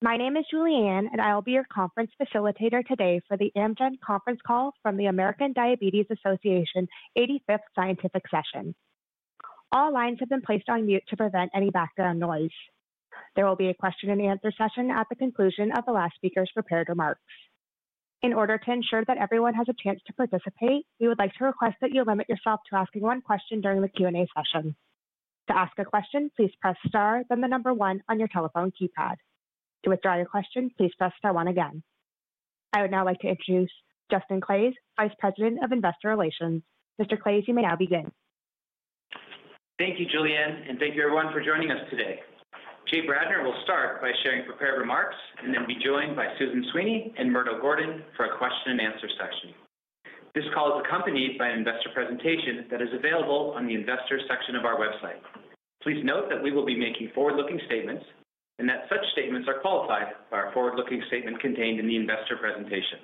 My name is Julianne, and I'll be your conference facilitator today for the Amgen Conference Call from the American Diabetes Association's 85th scientific session. All lines have been placed on mute to prevent any background noise. There will be a question-and-answer session at the conclusion of the last speaker's prepared remarks. In order to ensure that everyone has a chance to participate, we would like to request that you limit yourself to asking one question during the Q&A session. To ask a question, please press star, then the number one on your telephone keypad. To withdraw your question, please press star one again. I would now like to introduce Justin Claeys, Vice President of Investor Relations. Mr. Claeys, you may now begin. Thank you, Julianne, and thank you, everyone, for joining us today. Jay Bradner will start by sharing prepared remarks, and then be joined by Susan Sweeney and Murdo Gordon for a question-and-answer session. This call is accompanied by an investor presentation that is available on the investor section of our website. Please note that we will be making forward-looking statements and that such statements are qualified by a forward-looking statement contained in the investor presentation.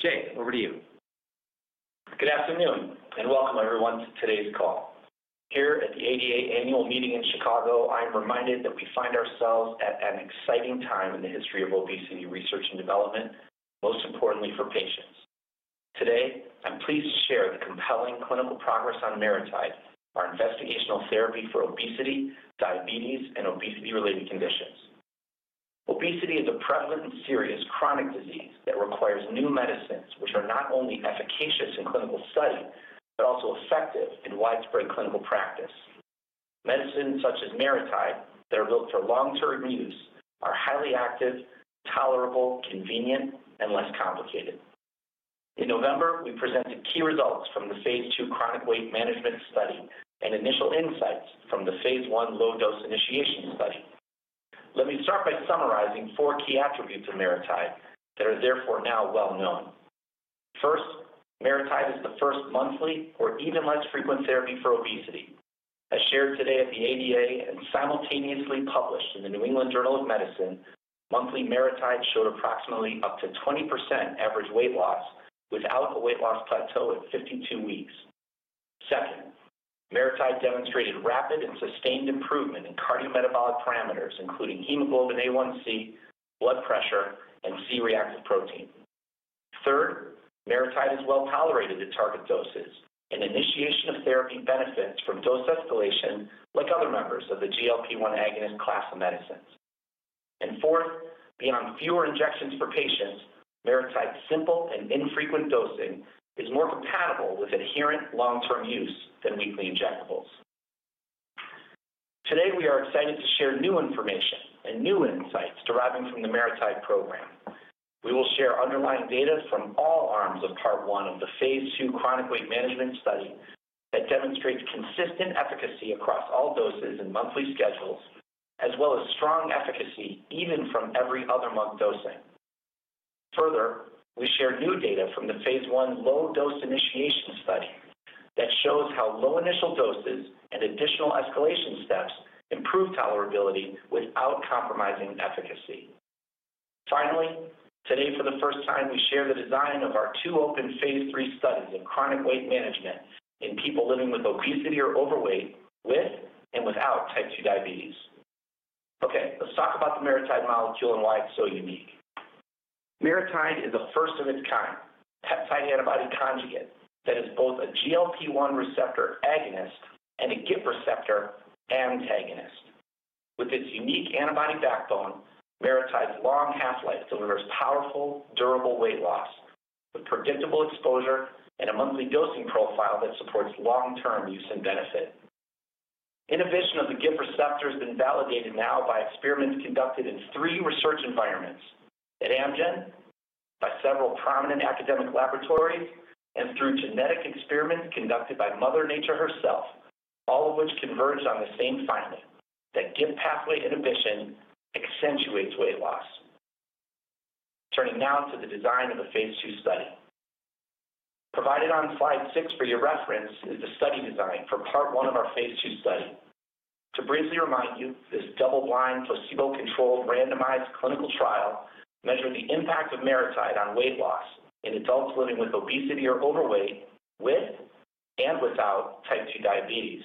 Jay, over to you. Good afternoon, and welcome, everyone, to today's call. Here at the ADA Annual Meeting in Chicago, I'm reminded that we find ourselves at an exciting time in the history of obesity research and development, most importantly for patients. Today, I'm pleased to share the compelling clinical progress on MariTide, our investigational therapy for obesity, diabetes, and obesity-related conditions. Obesity is a prevalent and serious chronic disease that requires new medicines which are not only efficacious in clinical study but also effective in widespread clinical practice. Medicines such as MariTide, that are built for long-term use, are highly active, tolerable, convenient, and less complicated. In November, we presented key results from the phase II chronic weight management study and initial insights from the phase I low-dose initiation study. Let me start by summarizing four key attributes of MariTide that are therefore now well known. First, MariTide is the first monthly or even less frequent therapy for obesity. As shared today at the ADA and simultaneously published in the New England Journal of Medicine, monthly MariTide showed approximately up to 20% average weight loss without a weight loss plateau at 52 weeks. Second, MariTide demonstrated rapid and sustained improvement in cardiometabolic parameters, including hemoglobin A1c, blood pressure, and C-reactive protein. Third, MariTide is well tolerated at target doses, and initiation of therapy benefits from dose escalation like other members of the GLP-1 agonist class of medicines. Fourth, beyond fewer injections for patients, MariTide's simple and infrequent dosing is more compatible with adherent long-term use than weekly injectables. Today, we are excited to share new information and new insights deriving from the MariTide program. We will share underlying data from all arms of part one of the phase II chronic weight management study that demonstrates consistent efficacy across all doses and monthly schedules, as well as strong efficacy even from every other month dosing. Further, we share new data from the phase I low-dose initiation study that shows how low initial doses and additional escalation steps improve tolerability without compromising efficacy. Finally, today, for the first time, we share the design of our two open phase III studies of chronic weight management in people living with obesity or overweight with and without type II diabetes. Okay, let's talk about the MariTide molecule and why it's so unique. MariTide is a first of its kind, peptide antibody conjugate that is both a GLP-1 receptor agonist and a GIP receptor antagonist. With its unique antibody backbone, MariTide's long half-life delivers powerful, durable weight loss with predictable exposure and a monthly dosing profile that supports long-term use and benefit. Inhibition of the GIP receptor has been validated now by experiments conducted in three research environments: at Amgen, by several prominent academic laboratories, and through genetic experiments conducted by Mother Nature herself, all of which converge on the same finding that GIP pathway inhibition accentuates weight loss. Turning now to the design of the phase II study. Provided on slide 6 for your reference is the study design for part one of our phase II study. To briefly remind you, this double-blind, placebo-controlled, randomized clinical trial measured the impact of MariTide on weight loss in adults living with obesity or overweight with and without type II diabetes.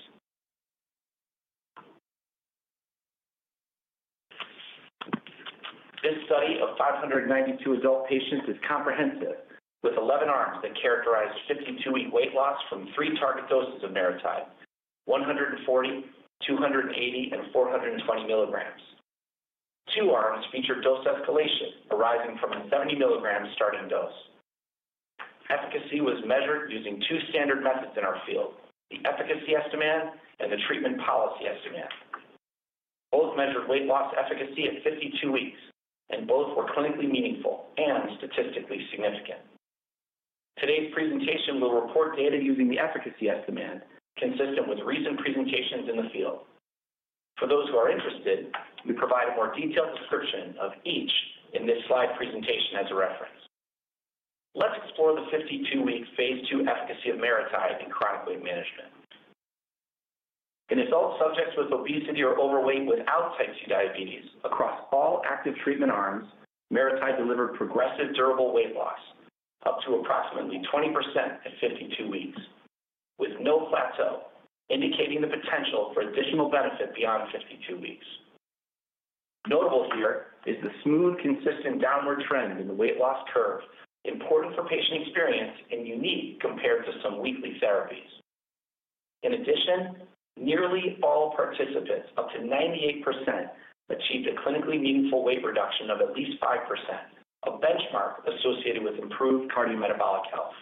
This study of 592 adult patients is comprehensive, with 11 arms that characterized 52-week weight loss from three target doses of MariTide: 140, 280, and 420 milligrams. Two arms featured dose escalation arising from a 70-milligram starting dose. Efficacy was measured using two standard methods in our field: the efficacy estimate and the treatment policy estimate. Both measured weight loss efficacy at 52 weeks, and both were clinically meaningful and statistically significant. Today's presentation will report data using the efficacy estimate, consistent with recent presentations in the field. For those who are interested, we provide a more detailed description of each in this slide presentation as a reference. Let's explore the 52-week phase II efficacy of MariTide in chronic weight management. In adult subjects with obesity or overweight without type II diabetes, across all active treatment arms, MariTide delivered progressive durable weight loss up to approximately 20% at 52 weeks, with no plateau, indicating the potential for additional benefit beyond 52 weeks. Notable here is the smooth, consistent downward trend in the weight loss curve, important for patient experience and unique compared to some weekly therapies. In addition, nearly all participants, up to 98%, achieved a clinically meaningful weight reduction of at least 5%, a benchmark associated with improved cardiometabolic health.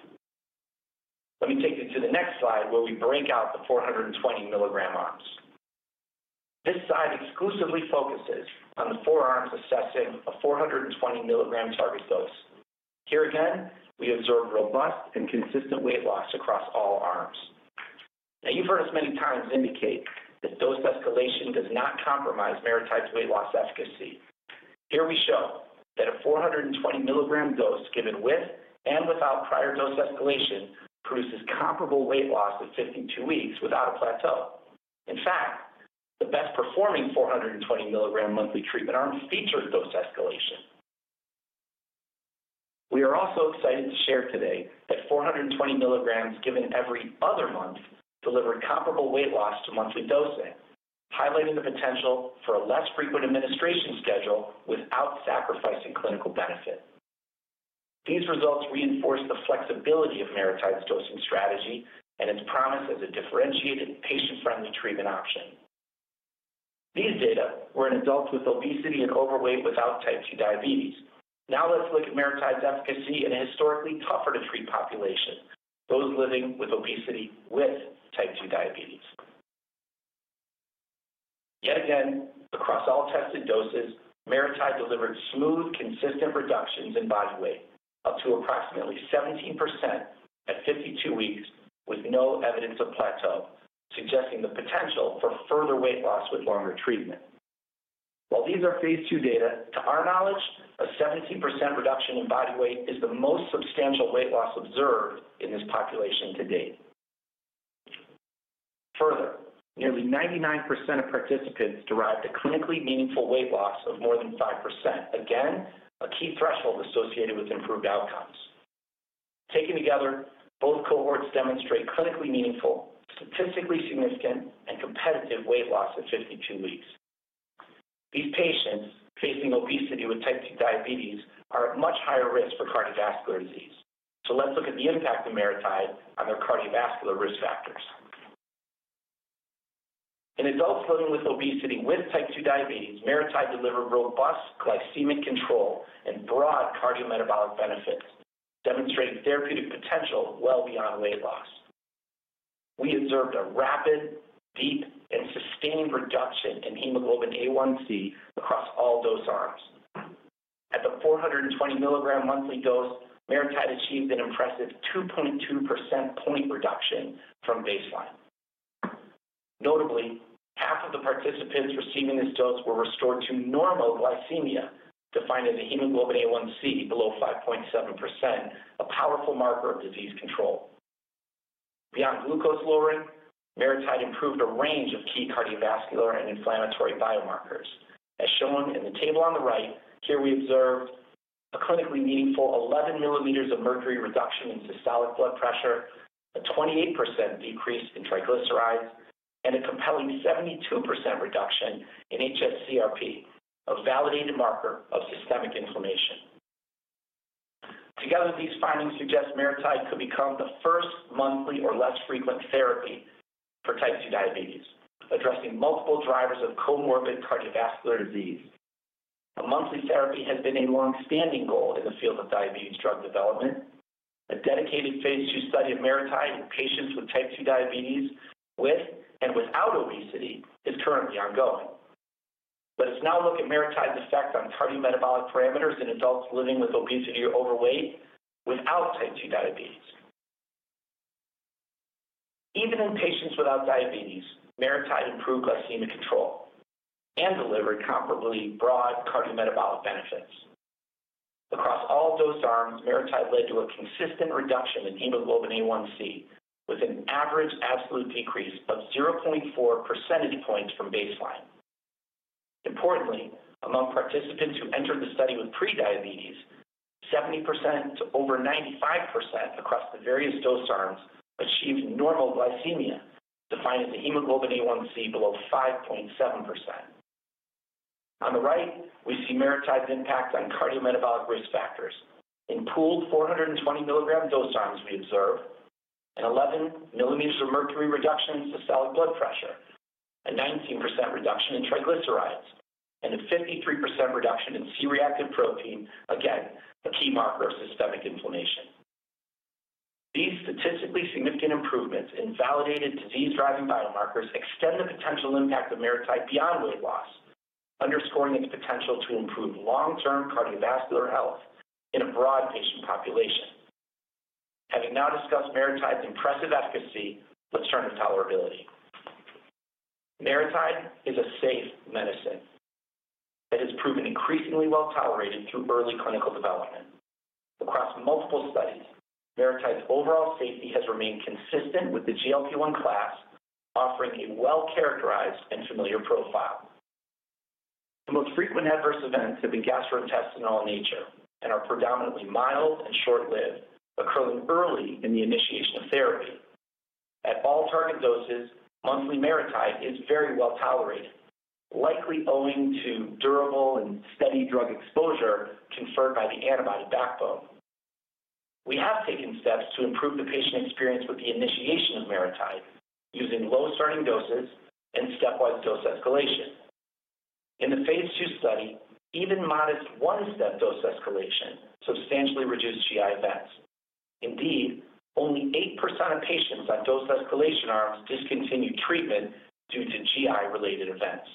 Let me take you to the next slide where we break out the 420 mg arms. This slide exclusively focuses on the four arms assessing a 420 mg target dose. Here again, we observe robust and consistent weight loss across all arms. Now, you've heard us many times indicate that dose escalation does not compromise MariTide's weight loss efficacy. Here we show that a 420 mg dose given with and without prior dose escalation produces comparable weight loss at 52 weeks without a plateau. In fact, the best-performing 420 mg monthly treatment arm featured dose escalation. We are also excited to share today that 420 mg given every other month delivered comparable weight loss to monthly dosing, highlighting the potential for a less frequent administration schedule without sacrificing clinical benefit. These results reinforce the flexibility of MariTide's dosing strategy and its promise as a differentiated, patient-friendly treatment option. These data were in adults with obesity and overweight without type II diabetes. Now let's look at MariTide's efficacy in a historically tougher-to-treat population, those living with obesity with type II diabetes. Yet again, across all tested doses, MariTide delivered smooth, consistent reductions in body weight up to approximately 17% at 52 weeks with no evidence of plateau, suggesting the potential for further weight loss with longer treatment. While these are phase II data, to our knowledge, a 17% reduction in body weight is the most substantial weight loss observed in this population to date. Further, nearly 99% of participants derived a clinically meaningful weight loss of more than 5%, again, a key threshold associated with improved outcomes. Taken together, both cohorts demonstrate clinically meaningful, statistically significant, and competitive weight loss at 52 weeks. These patients facing obesity with type II diabetes are at much higher risk for cardiovascular disease. Let's look at the impact of MariTide on their cardiovascular risk factors. In adults living with obesity with type II diabetes, MariTide delivered robust glycemic control and broad cardiometabolic benefits, demonstrating therapeutic potential well beyond weight loss. We observed a rapid, deep, and sustained reduction in hemoglobin A1c across all dose arms. At the 420 mg monthly dose, MariTide achieved an impressive 2.2% point reduction from baseline. Notably, half of the participants receiving this dose were restored to normal glycemia, defined as a hemoglobin A1c below 5.7%, a powerful marker of disease control. Beyond glucose lowering, MariTide improved a range of key cardiovascular and inflammatory biomarkers. As shown in the table on the right, here we observed a clinically meaningful 11 millimeters of mercury reduction in systolic blood pressure, a 28% decrease in triglycerides, and a compelling 72% reduction in HSCRP, a validated marker of systemic inflammation. Together, these findings suggest MariTide could become the first monthly or less frequent therapy for type II diabetes, addressing multiple drivers of comorbid cardiovascular disease. A monthly therapy has been a longstanding goal in the field of diabetes drug development. A dedicated phase II study of MariTide in patients with type 2 diabetes with and without obesity is currently ongoing. Let us now look at MariTide's effect on cardiometabolic parameters in adults living with obesity or overweight without type II diabetes. Even in patients without diabetes, MariTide improved glycemic control and delivered comparably broad cardiometabolic benefits. Across all dose arms, MariTide led to a consistent reduction in hemoglobin A1c, with an average absolute decrease of 0.4 percentage points from baseline. Importantly, among participants who entered the study with prediabetes, 70% to over 95% across the various dose arms achieved normal glycemia, defined as a hemoglobin A1c below 5.7%. On the right, we see MariTide's impact on cardiometabolic risk factors. In pooled 420 mg dose arms, we observe an 11 millimeters of mercury reduction in systolic blood pressure, a 19% reduction in triglycerides, and a 53% reduction in C-reactive protein, again, a key marker of systemic inflammation. These statistically significant improvements in validated disease-driving biomarkers extend the potential impact of MariTide beyond weight loss, underscoring its potential to improve long-term cardiovascular health in a broad patient population. Having now discussed MariTide's impressive efficacy, let's turn to tolerability. MariTide is a safe medicine that has proven increasingly well tolerated through early clinical development. Across multiple studies, MariTide's overall safety has remained consistent with the GLP-1 class, offering a well-characterized and familiar profile. The most frequent adverse events have been gastrointestinal in nature and are predominantly mild and short-lived, occurring early in the initiation of therapy. At all target doses, monthly MariTide is very well tolerated, likely owing to durable and steady drug exposure conferred by the antibody backbone. We have taken steps to improve the patient experience with the initiation of MariTide using low-starting doses and stepwise dose escalation. In the phase II study, even modest one-step dose escalation substantially reduced GI events. Indeed, only 8% of patients on dose escalation arms discontinued treatment due to GI-related events.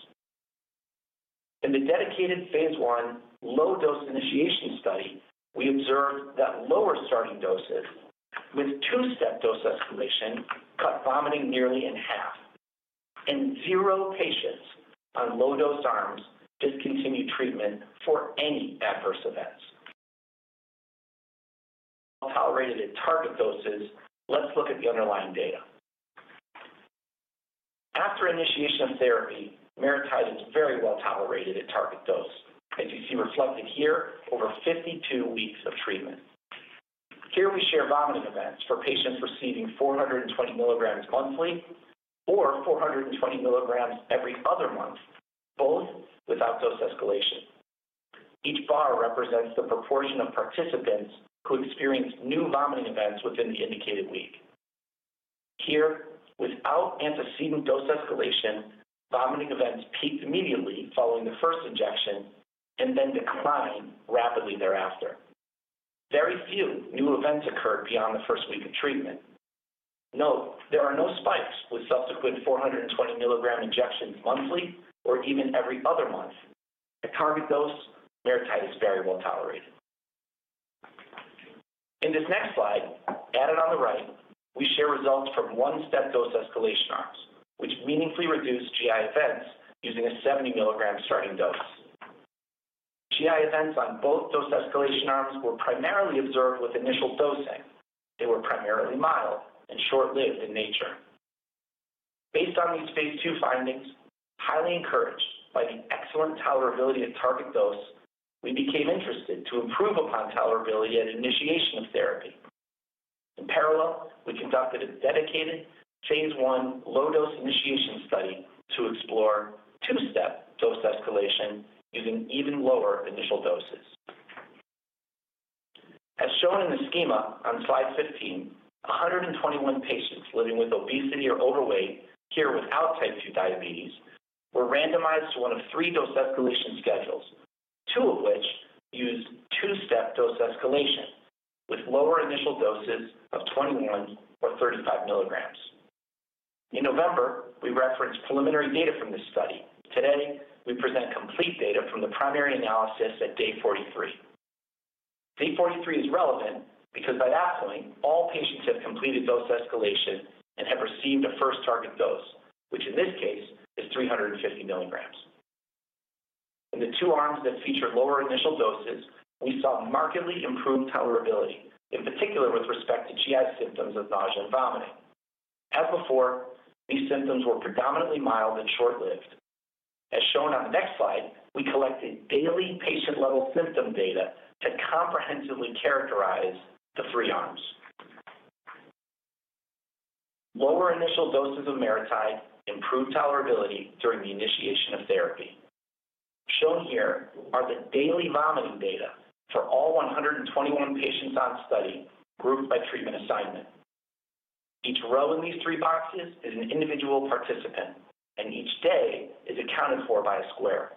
In the dedicated phase I low-dose initiation study, we observed that lower-starting doses with two-step dose escalation cut vomiting nearly in half, and zero patients on low-dose arms discontinued treatment for any adverse events. While tolerated at target doses, let's look at the underlying data. After initiation of therapy, MariTide is very well tolerated at target dose, as you see reflected here over 52 weeks of treatment. Here we share vomiting events for patients receiving 420 milligrams monthly or 420 milligrams every other month, both without dose escalation. Each bar represents the proportion of participants who experienced new vomiting events within the indicated week. Here, without antecedent dose escalation, vomiting events peaked immediately following the first injection and then decline rapidly thereafter. Very few new events occurred beyond the first week of treatment. Note, there are no spikes with subsequent 420-milligram injections monthly or even every other month. At target dose, MariTide is very well tolerated. In this next slide, added on the right, we share results from one-step dose escalation arms, which meaningfully reduced GI events using a 70-milligram starting dose. GI events on both dose escalation arms were primarily observed with initial dosing. They were primarily mild and short-lived in nature. Based on these phase II findings, highly encouraged by the excellent tolerability at target dose, we became interested to improve upon tolerability at initiation of therapy. In parallel, we conducted a dedicated phase I low-dose initiation study to explore two-step dose escalation using even lower initial doses. As shown in the schema on slide 15, 121 patients living with obesity or overweight, here without type II diabetes, were randomized to one of three dose escalation schedules, two of which used two-step dose escalation with lower initial doses of 21 or 35 milligrams. In November, we referenced preliminary data from this study. Today, we present complete data from the primary analysis at day 43. Day 43 is relevant because by that point, all patients have completed dose escalation and have received a first target dose, which in this case is 350 milligrams. In the two arms that feature lower initial doses, we saw markedly improved tolerability, in particular with respect to GI symptoms of nausea and vomiting. As before, these symptoms were predominantly mild and short-lived. As shown on the next slide, we collected daily patient-level symptom data to comprehensively characterize the three arms. Lower initial doses of MariTide improved tolerability during the initiation of therapy. Shown here are the daily vomiting data for all 121 patients on study grouped by treatment assignment. Each row in these three boxes is an individual participant, and each day is accounted for by a square.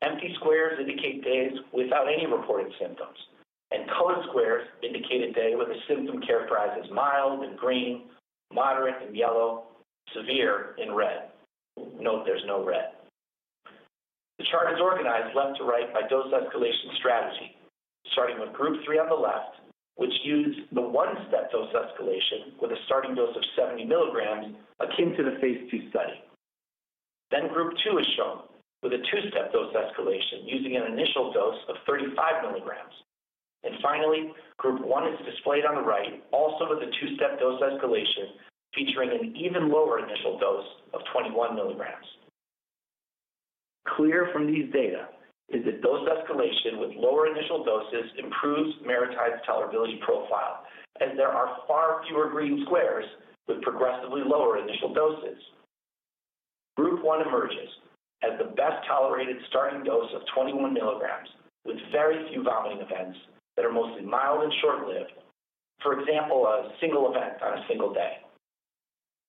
Empty squares indicate days without any reported symptoms, and colored squares indicate a day where the symptom characterized as mild in green, moderate in yellow, severe in red. Note there's no red. The chart is organized left to right by dose escalation strategy, starting with group three on the left, which used the one-step dose escalation with a starting dose of 70 milligrams, akin to the phase II study. Then group two is shown with a two-step dose escalation using an initial dose of 35 milligrams. Finally, group one is displayed on the right, also with a two-step dose escalation featuring an even lower initial dose of 21 milligrams. Clear from these data is that dose escalation with lower initial doses improves MariTide's tolerability profile, as there are far fewer green squares with progressively lower initial doses. Group one emerges as the best-tolerated starting dose of 21 milligrams, with very few vomiting events that are mostly mild and short-lived, for example, a single event on a single day.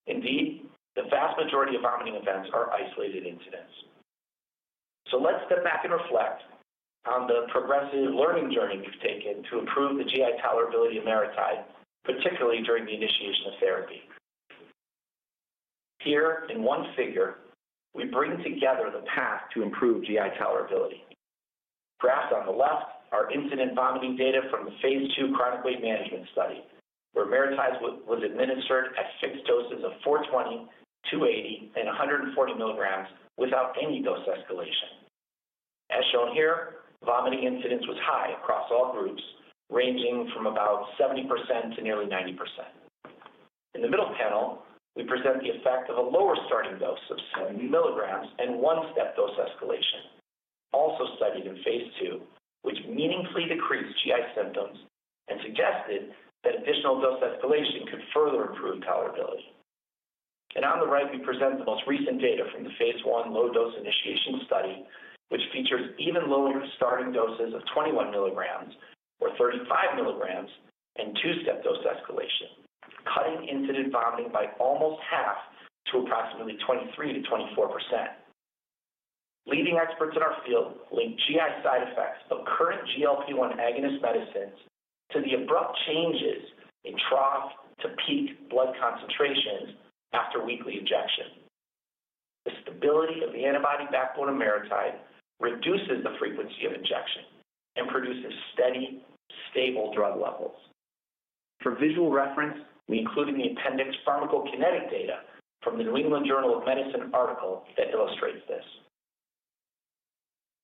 Indeed, the vast majority of vomiting events are isolated incidents. Let's step back and reflect on the progressive learning journey we've taken to improve the GI tolerability of MariTide, particularly during the initiation of therapy. Here, in one figure, we bring together the path to improve GI tolerability. Graphed on the left are incident vomiting data from the phase II chronic weight management study, where MariTide was administered at fixed doses of 420, 280, and 140 milligrams without any dose escalation. As shown here, vomiting incidence was high across all groups, ranging from about 70% to nearly 90%. In the middle panel, we present the effect of a lower starting dose of 70 milligrams and one-step dose escalation, also studied in phase II, which meaningfully decreased GI symptoms and suggested that additional dose escalation could further improve tolerability. On the right, we present the most recent data from the phase I low-dose initiation study, which features even lower starting doses of 21 milligrams or 35 milligrams and two-step dose escalation, cutting incident vomiting by almost half to approximately 23-24%. Leading experts in our field link GI side effects of current GLP-1 agonist medicines to the abrupt changes in trough to peak blood concentrations after weekly injection. The stability of the antibody backbone of MariTide reduces the frequency of injection and produces steady, stable drug levels. For visual reference, we included the appendix pharmacokinetic data from the New England Journal of Medicine article that illustrates this.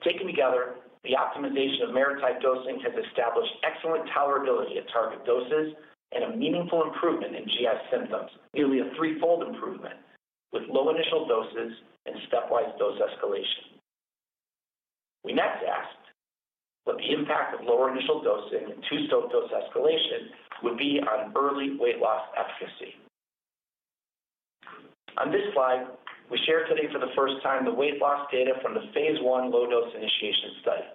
Taken together, the optimization of MariTide dosing has established excellent tolerability at target doses and a meaningful improvement in GI symptoms, nearly a threefold improvement with low initial doses and stepwise dose escalation. We next asked what the impact of lower initial dosing and two-step dose escalation would be on early weight loss efficacy. On this slide, we share today for the first time the weight loss data from the phase I low-dose initiation study.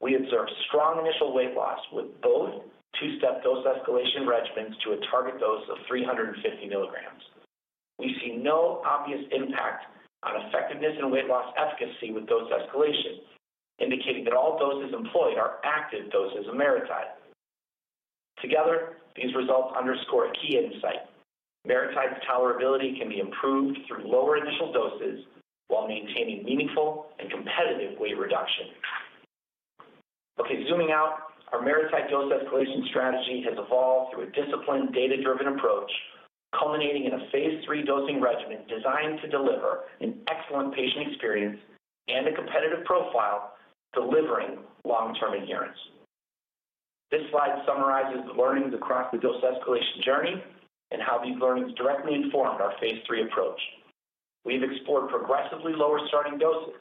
We observe strong initial weight loss with both two-step dose escalation regimens to a target dose of 350 milligrams. We see no obvious impact on effectiveness and weight loss efficacy with dose escalation, indicating that all doses employed are active doses of MariTide. Together, these results underscore a key insight: MariTide's tolerability can be improved through lower initial doses while maintaining meaningful and competitive weight reduction. Okay, zooming out, our MariTide dose escalation strategy has evolved through a disciplined, data-driven approach, culminating in a phase III dosing regimen designed to deliver an excellent patient experience and a competitive profile, delivering long-term adherence. This slide summarizes the learnings across the dose escalation journey and how these learnings directly informed our phase III approach. We've explored progressively lower starting doses,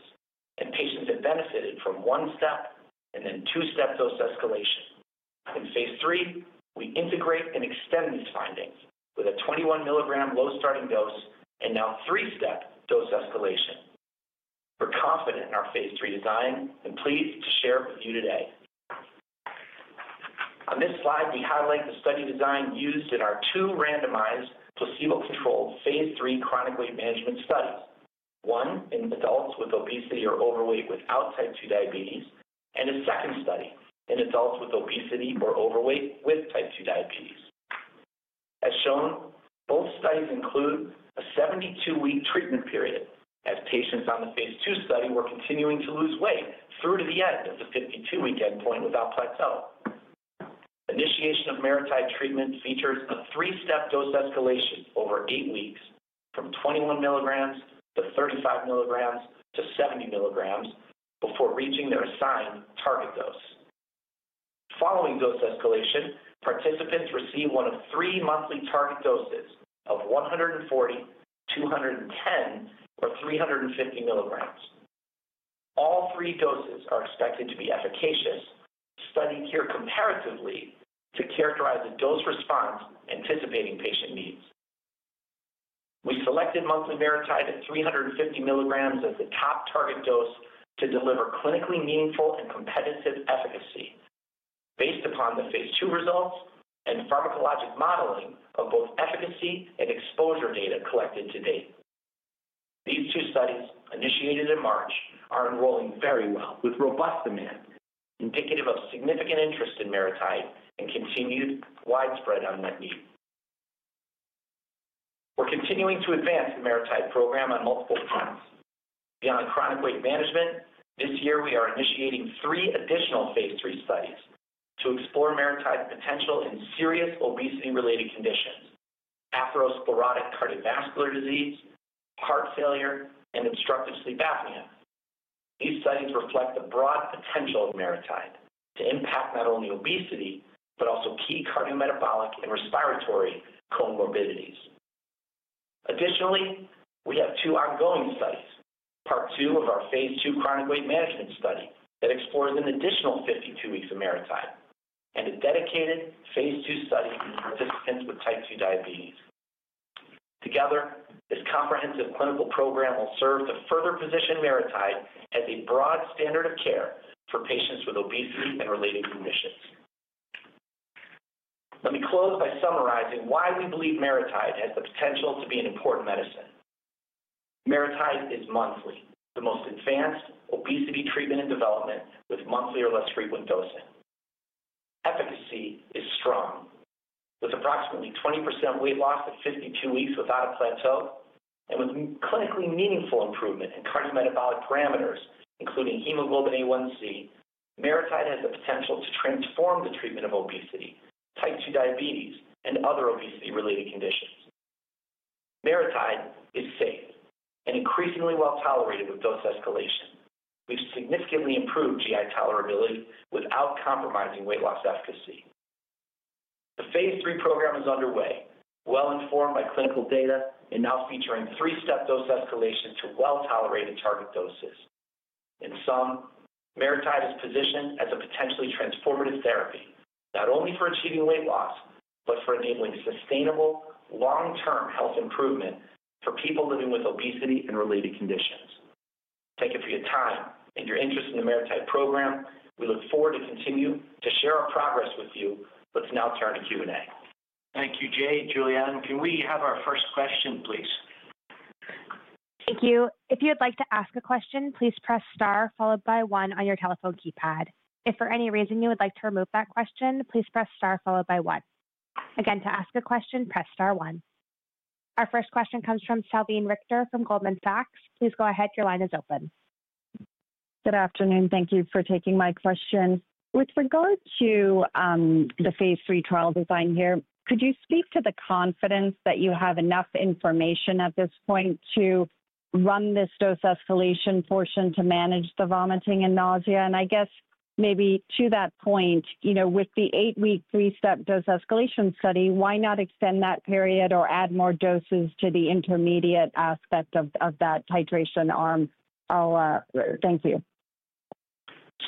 and patients have benefited from one-step and then two-step dose escalation. In phase III, we integrate and extend these findings with a 21 mg low-starting dose and now three-step dose escalation. We're confident in our phase III design and pleased to share it with you today. On this slide, we highlight the study design used in our two randomized, placebo-controlled phase III chronic weight management studies: one in adults with obesity or overweight without type II diabetes, and a second study in adults with obesity or overweight with type II diabetes. As shown, both studies include a 72-week treatment period, as patients on the phase II study were continuing to lose weight through to the end of the 52-week endpoint without plateau. Initiation of MariTide treatment features a three-step dose escalation over eight weeks from 21 mg to 35 mg to 70 mg before reaching their assigned target dose. Following dose escalation, participants receive one of three monthly target doses of 140, 210, or 350 mg. All three doses are expected to be efficacious, studied here comparatively to characterize a dose response anticipating patient needs. We selected monthly MariTide at 350 mg as the top target dose to deliver clinically meaningful and competitive efficacy, based upon the phase II results and pharmacologic modeling of both efficacy and exposure data collected to date. These two studies, initiated in March, are enrolling very well, with robust demand, indicative of significant interest in MariTide and continued widespread unmet need. We're continuing to advance the MariTide program on multiple fronts. Beyond chronic weight management, this year we are initiating three additional phase III studies to explore MariTide's potential in serious obesity-related conditions: atherosclerotic cardiovascular disease, heart failure, and obstructive sleep apnea. These studies reflect the broad potential of MariTide to impact not only obesity but also key cardiometabolic and respiratory comorbidities. Additionally, we have two ongoing studies, part two of our phase II chronic weight management study that explores an additional 52 weeks of MariTide and a dedicated phase II study in participants with type II diabetes. Together, this comprehensive clinical program will serve to further position MariTide as a broad standard of care for patients with obesity and related conditions. Let me close by summarizing why we believe MariTide has the potential to be an important medicine. MariTide is monthly, the most advanced obesity treatment in development with monthly or less frequent dosing. Efficacy is strong. With approximately 20% weight loss at 52 weeks without a plateau and with clinically meaningful improvement in cardiometabolic parameters, including hemoglobin A1c, MariTide has the potential to transform the treatment of obesity, type II diabetes, and other obesity-related conditions. MariTide is safe and increasingly well tolerated with dose escalation. We've significantly improved GI tolerability without compromising weight loss efficacy. The phase III program is underway, well-informed by clinical data and now featuring three-step dose escalation to well-tolerated target doses. In sum, MariTide is positioned as a potentially transformative therapy, not only for achieving weight loss but for enabling sustainable, long-term health improvement for people living with obesity and related conditions. Thank you for your time and your interest in the MariTide program. We look forward to continuing to share our progress with you. Let's now turn to Q&A. Thank you, Jay. Julianne. Can we have our first question, please? Thank you. If you would like to ask a question, please press star followed by one on your telephone keypad. If for any reason you would like to remove that question, please press star followed by one. Again, to ask a question, press star one. Our first question comes from Salveen Richter from Goldman Sachs. Please go ahead. Your line is open. Good afternoon. Thank you for taking my question. With regard to the phase III trial design here, could you speak to the confidence that you have enough information at this point to run this dose escalation portion to manage the vomiting and nausea? And I guess maybe to that point, you know, with the eight-week three-step dose escalation study, why not extend that period or add more doses to the intermediate aspect of that titration arm? Thank you.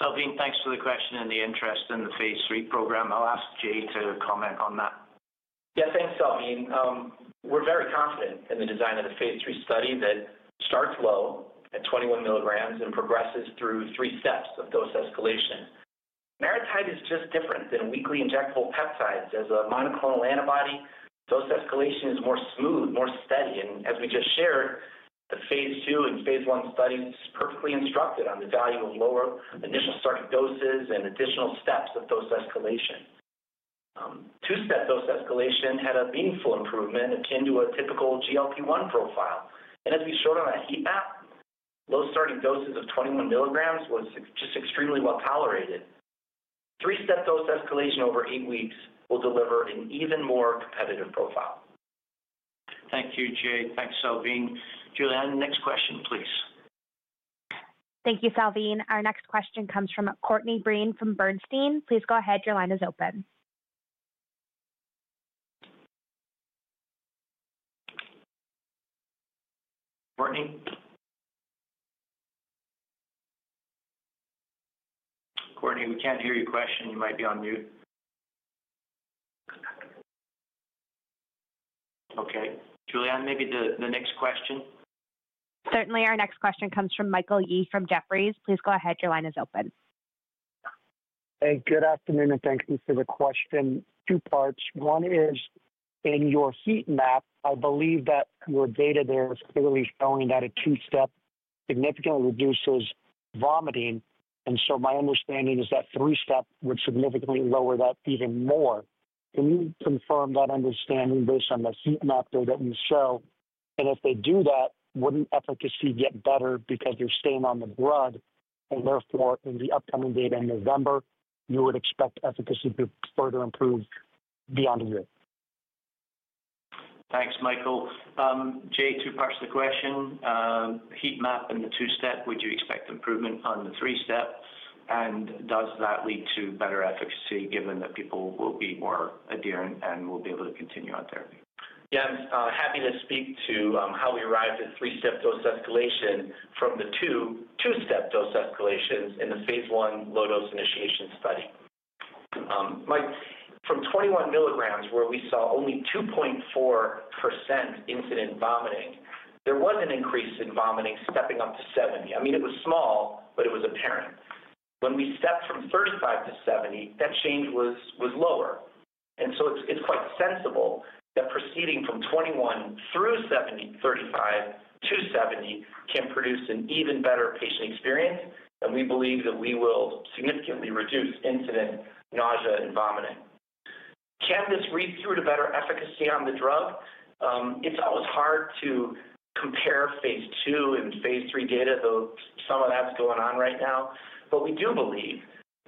Salveen, thanks for the question and the interest in the phase III program. I'll ask Jay to comment on that. Yeah, thanks, Salveen. We're very confident in the design of the phase III study that starts low at 21 mg and progresses through three steps of dose escalation. MariTide is just different than weekly injectable peptides as a monoclonal antibody. Dose escalation is more smooth, more steady. As we just shared, the phase II and phase I studies perfectly instructed on the value of lower initial starting doses and additional steps of dose escalation. Two-step dose escalation had a meaningful improvement akin to a typical GLP-1 profile. As we showed on that heat map, low starting doses of 21 mg were just extremely well tolerated. Three-step dose escalation over eight weeks will deliver an even more competitive profile. Thank you, Jay. Thanks, Salveen. Julianne next question, please. Thank you, Salveen. Our next question comes from Courtney Breen from Bernstein. Please go ahead. Your line is open. Courtney? Courtney, we can't hear your question. You might be on mute. Okay. Julinne, maybe the next question? Certainly, our next question comes from Michael Yee from Jefferies. Please go ahead. Your line is open. Hey, good afternoon, and thank you for the question. Two parts. One is, in your heat map, I believe that your data there is clearly showing that a two-step significantly reduces vomiting. And so my understanding is that three-step would significantly lower that even more. Can you confirm that understanding based on the heat map there that you show? And if they do that, wouldn't efficacy get better because you're staying on the drug? And therefore, in the upcoming data in November, you would expect efficacy to further improve beyond a year? Thanks, Michael.Jay, two parts of the question. Heat map and the two-step, would you expect improvement on the three-step? And does that lead to better efficacy given that people will be more adherent and will be able to continue on therapy? Yeah, I'm happy to speak to how we arrived at three-step dose escalation from the two two-step dose escalations in the phase 1 low-dose initiation study. From 21 mg, where we saw only 2.4% incident vomiting, there was an increase in vomiting stepping up to 70. I mean, it was small, but it was apparent. When we stepped from 35 to 70, that change was lower. And so it's quite sensible that proceeding from 21 through 35 to 70 can produce an even better patient experience, and we believe that we will significantly reduce incident nausea and vomiting. Can this read through to better efficacy on the drug? It's always hard to compare phase II and phase III data, though some of that's going on right now. We do believe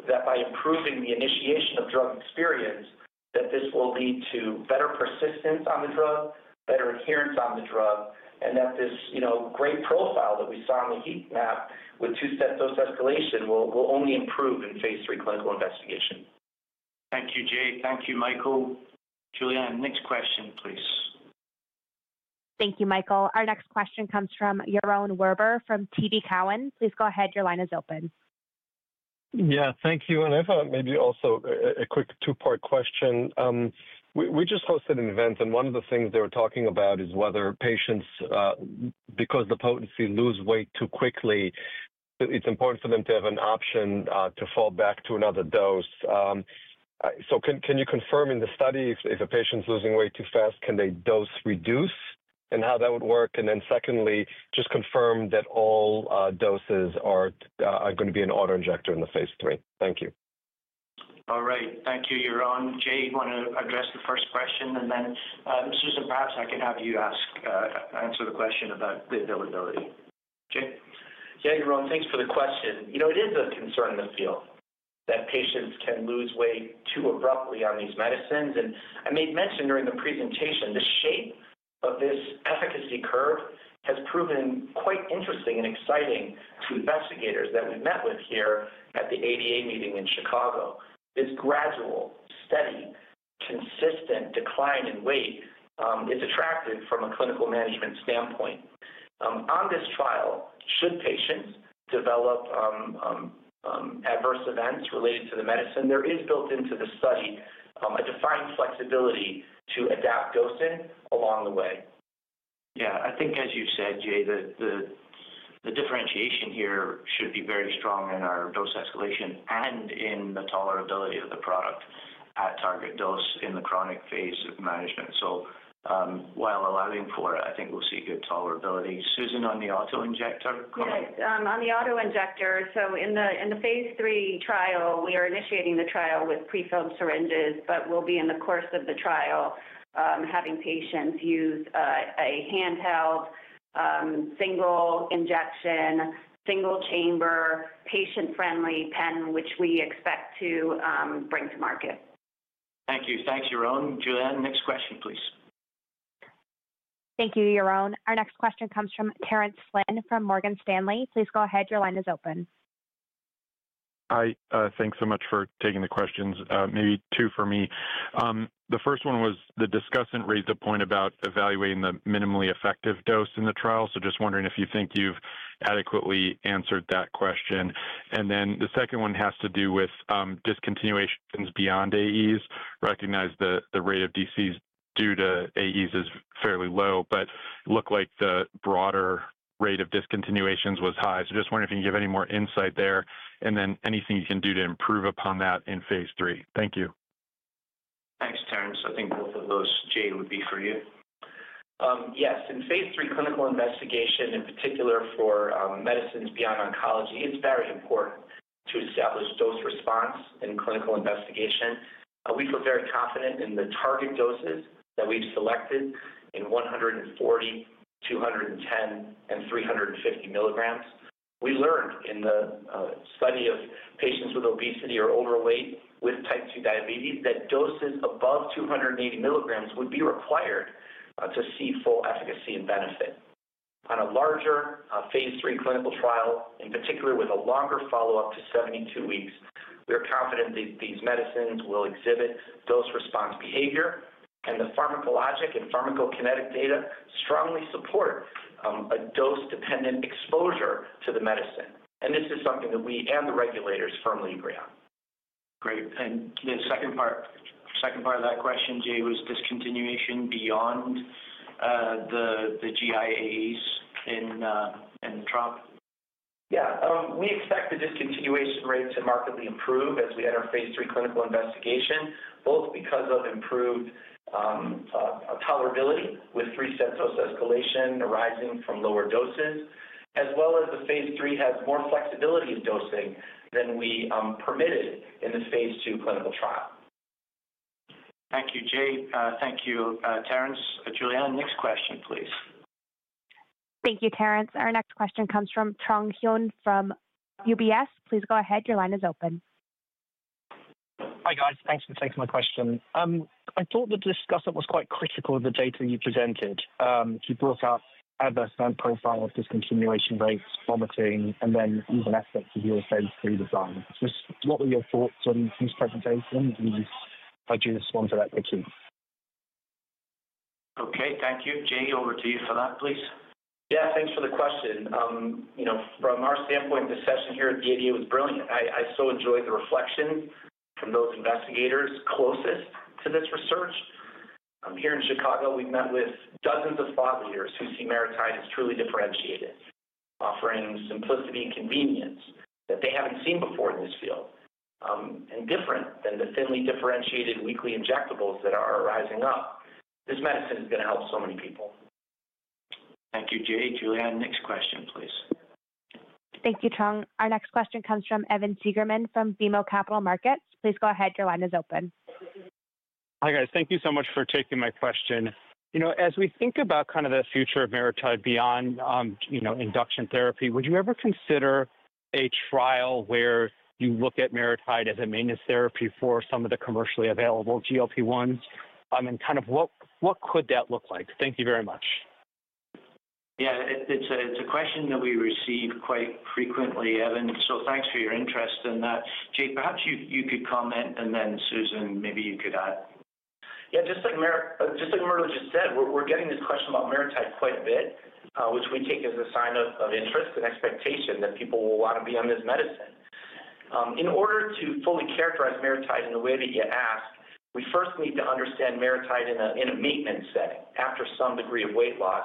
that by improving the initiation of drug experience, this will lead to better persistence on the drug, better adherence on the drug, and that this great profile that we saw on the heat map with two-step dose escalation will only improve in phase III clinical investigation. Thank you, Jay. Thank you, Michael. Julianne, next question, please. Thank you, Michael. Our next question comes from Yaron Werber from TD Cowen. Please go ahead. Your line is open. Yeah, thank you. I thought maybe also a quick two-part question. We just hosted an event, and one of the things they were talking about is whether patients, because the potency loses weight too quickly, it's important for them to have an option to fall back to another dose. Can you confirm in the study, if a patient's losing weight too fast, can they dose reduce and how that would work? Secondly, just confirm that all doses are going to be an autoinjector in the phase III. Thank you. All right. Thank you, Yaron. Jay, you want to address the first question? Susan, perhaps I can have you answer the question about the availability. Jay. Yeah, Yaron, thanks for the question. You know, it is a concern in the field that patients can lose weight too abruptly on these medicines. I made mention during the presentation, the shape of this efficacy curve has proven quite interesting and exciting to investigators that we've met with here at the ADA meeting in Chicago. This gradual, steady, consistent decline in weight is attractive from a clinical management standpoint. On this trial, should patients develop adverse events related to the medicine, there is built into the study a defined flexibility to adapt dosing along the way. Yeah, I think, as you said, Jay, the differentiation here should be very strong in our dose escalation and in the tolerability of the product at target dose in the chronic phase of management. While allowing for it, I think we'll see good tolerability. Susan, on the autoinjector? Correct. On the autoinjector, in the phase III trial, we are initiating the trial with prefilled syringes, but we'll be in the course of the trial having patients use a handheld single injection, single chamber, patient-friendly pen, which we expect to bring to market. Thank you. Thanks, Yaron. Julianne, next question, please. Thank you, Yaron. Our next question comes from Terence Flynn from Morgan Stanley. Please go ahead. Your line is open. Hi, thanks so much for taking the questions. Maybe two for me. The first one was the discussant raised a point about evaluating the minimally effective dose in the trial. Just wondering if you think you've adequately answered that question. The second one has to do with discontinuations beyond AEs. Recognize the rate of DCs due to AEs is fairly low, but it looked like the broader rate of discontinuations was high. Just wondering if you can give any more insight there, and then anything you can do to improve upon that in phase III. Thank you. Thanks, Terence. I think both of those, Jay, would be for you. Yes, in phase III clinical investigation, in particular for medicines beyond oncology, it's very important to establish dose response in clinical investigation. We feel very confident in the target doses that we've selected in 140, 210, and 350 mg. We learned in the study of patients with obesity or overweight with type II diabetes that doses above 280 mg would be required to see full efficacy and benefit. On a larger phase III clinical trial, in particular with a longer follow-up to 72 weeks, we are confident that these medicines will exhibit dose response behavior, and the pharmacologic and pharmacokinetic data strongly support a dose-dependent exposure to the medicine. This is something that we and the regulators firmly agree on. Great. The second part of that question, Jay, was discontinuation beyond the GIAs in the trial. Yeah, we expect the discontinuation rate to markedly improve as we enter phase III clinical investigation, both because of improved tolerability with three-step dose escalation arising from lower doses, as well as the phase III has more flexibility of dosing than we permitted in the phase II clinical trial. Thank you, Jay. Thank you, Terence. Julianne, next question, please. Thank you, Terence. Our next question comes from Trung Huynh from UBS. Please go ahead. Your line is open. Hi, guys. Thanks for taking my question. I thought the discussant was quite critical of the data you presented. He brought up adverse profile of discontinuation rates, vomiting, and then even aspects of U.S.A.'s food design. What were your thoughts on his presentation? He's just wanted that picky. Okay, thank you. Jay, over to you for that, please. Yeah, thanks for the question. You know, from our standpoint, the session here at the ADA was brilliant. I so enjoyed the reflections from those investigators closest to this research. Here in Chicago, we've met with dozens of thought leaders who see MariTide as truly differentiated, offering simplicity and convenience that they haven't seen before in this field, and different than the thinly differentiated weekly injectables that are rising up. This medicine is going to help so many people. Thank you, Jay. Julianne, next question, please. Thank you, Trung. Our next question comes from Evan Seigerman from BMO Capital Markets. Please go ahead. Your line is open. Hi, guys. Thank you so much for taking my question. You know, as we think about kind of the future of MariTide beyond induction therapy, would you ever consider a trial where you look at MariTide as a maintenance therapy for some of the commercially available GLP-1s? Kind of what could that look like? Thank you very much. Yeah, it's a question that we receive quite frequently, Evan. Thank you for your interest in that. Jay, perhaps you could comment, and then Susan, maybe you could add. Yeah, just like Murdo just said, we're getting this question about MariTide quite a bit, which we take as a sign of interest and expectation that people will want to be on this medicine. In order to fully characterize MariTide in the way that you asked, we first need to understand MariTide in a maintenance setting after some degree of weight loss.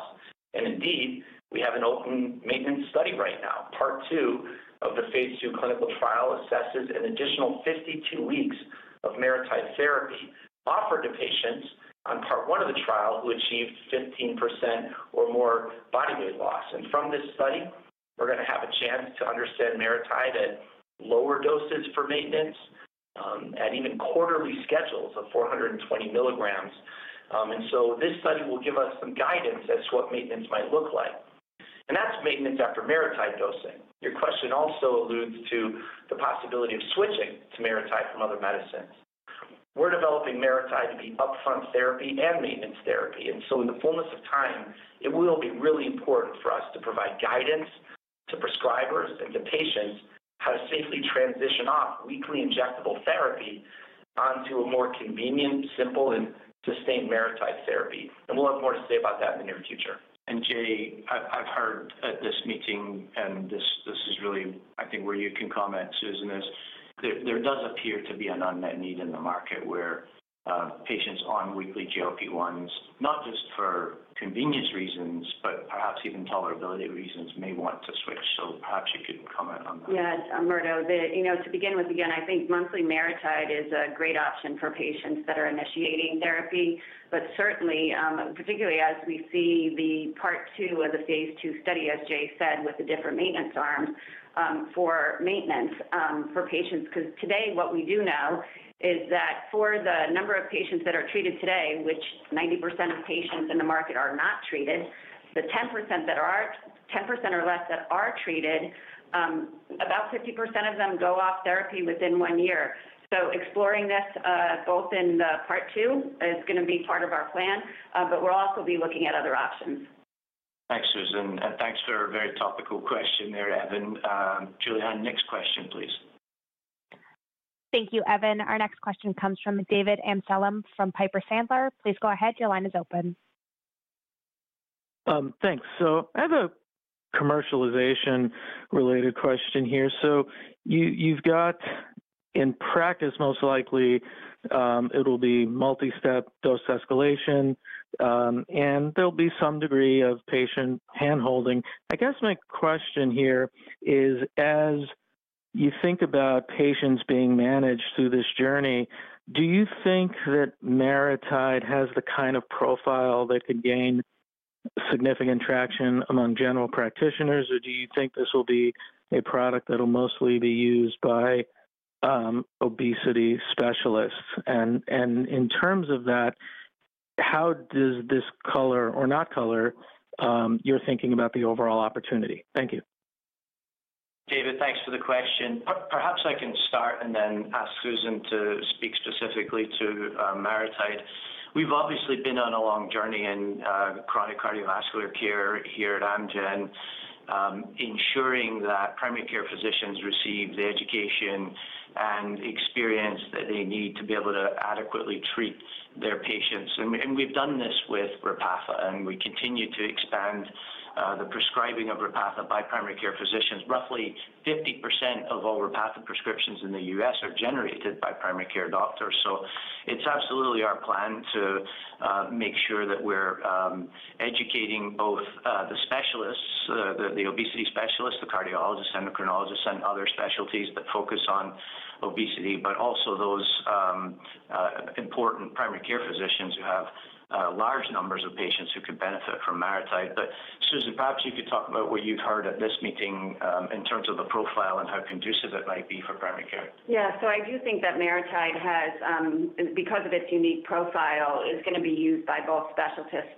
Indeed, we have an open maintenance study right now. Part two of the phase II clinical trial assesses an additional 52 weeks of MariTide therapy offered to patients on part one of the trial who achieved 15% or more body weight loss. From this study, we're going to have a chance to understand MariTide at lower doses for maintenance, at even quarterly schedules of 420 mg. This study will give us some guidance as to what maintenance might look like. That's maintenance after MariTide dosing. Your question also alludes to the possibility of switching to MariTide from other medicines. We're developing MariTide to be upfront therapy and maintenance therapy. In the fullness of time, it will be really important for us to provide guidance to prescribers and to patients how to safely transition off weekly injectable therapy onto a more convenient, simple, and sustained MariTide therapy. We'll have more to say about that in the near future. Jay, I've heard at this meeting, and this is really, I think, where you can comment, Susan, is there does appear to be an unmet need in the market where patients on weekly GLP-1s, not just for convenience reasons, but perhaps even tolerability reasons, may want to switch. So perhaps you could comment on that. Yeah, Murdo, to begin with, again, I think monthly MariTide is a great option for patients that are initiating therapy, but certainly, particularly as we see the part two of the phase II study, as Jay said, with the different maintenance arms for maintenance for patients. Because today, what we do know is that for the number of patients that are treated today, which 90% of patients in the market are not treated, the 10% that are 10% or less that are treated, about 50% of them go off therapy within one year. Exploring this both in the part two is going to be part of our plan, but we'll also be looking at other options. Thanks, Susan. And thanks for a very topical question there, Evan. Julianne, next question, please. Thank you, Evan. Our next question comes from David Amsellem from Piper Sandler. Please go ahead. Your line is open. Thanks. I have a commercialization-related question here. You've got, in practice, most likely, it'll be multi-step dose escalation, and there'll be some degree of patient hand-holding. I guess my question here is, as you think about patients being managed through this journey, do you think that MariTide has the kind of profile that could gain significant traction among general practitioners, or do you think this will be a product that'll mostly be used by obesity specialists? In terms of that, how does this color or not color your thinking about the overall opportunity? Thank you. David, thanks for the question. Perhaps I can start and then ask Susan to speak specifically to MariTide. We have obviously been on a long journey in chronic cardiovascular care here at Amgen, ensuring that primary care physicians receive the education and experience that they need to be able to adequately treat their patients. We have done this with Repatha, and we continue to expand the prescribing of Repatha by primary care physicians. Roughly 50% of all Repatha prescriptions in the U.S. are generated by primary care doctors. It's absolutely our plan to make sure that we're educating both the specialists, the obesity specialists, the cardiologists, endocrinologists, and other specialties that focus on obesity, but also those important primary care physicians who have large numbers of patients who could benefit from MariTide. Susan, perhaps you could talk about what you've heard at this meeting in terms of the profile and how conducive it might be for primary care. Yeah, I do think that MariTide has, because of its unique profile, is going to be used by both specialists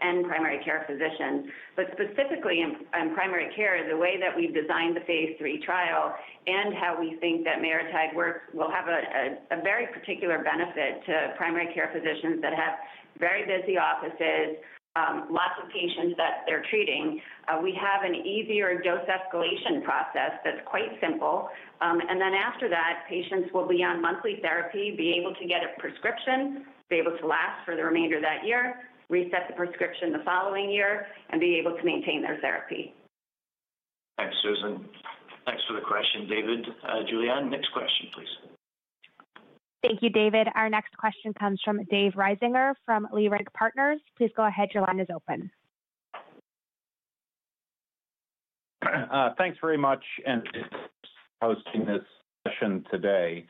and primary care physicians. Specifically in primary care, the way that we've designed the phase III trial and how we think that MariTide works will have a very particular benefit to primary care physicians that have very busy offices, lots of patients that they're treating. We have an easier dose escalation process that's quite simple. And then after that, patients will be on monthly therapy, be able to get a prescription, be able to last for the remainder of that year, reset the prescription the following year, and be able to maintain their therapy. Thanks, Susan. Thanks for the question, David. Julianne, next question, please. Thank you, David. Our next question comes from Dave Risinger from Leerink Partners. Please go ahead. Your line is open. Thanks very much for hosting this session today.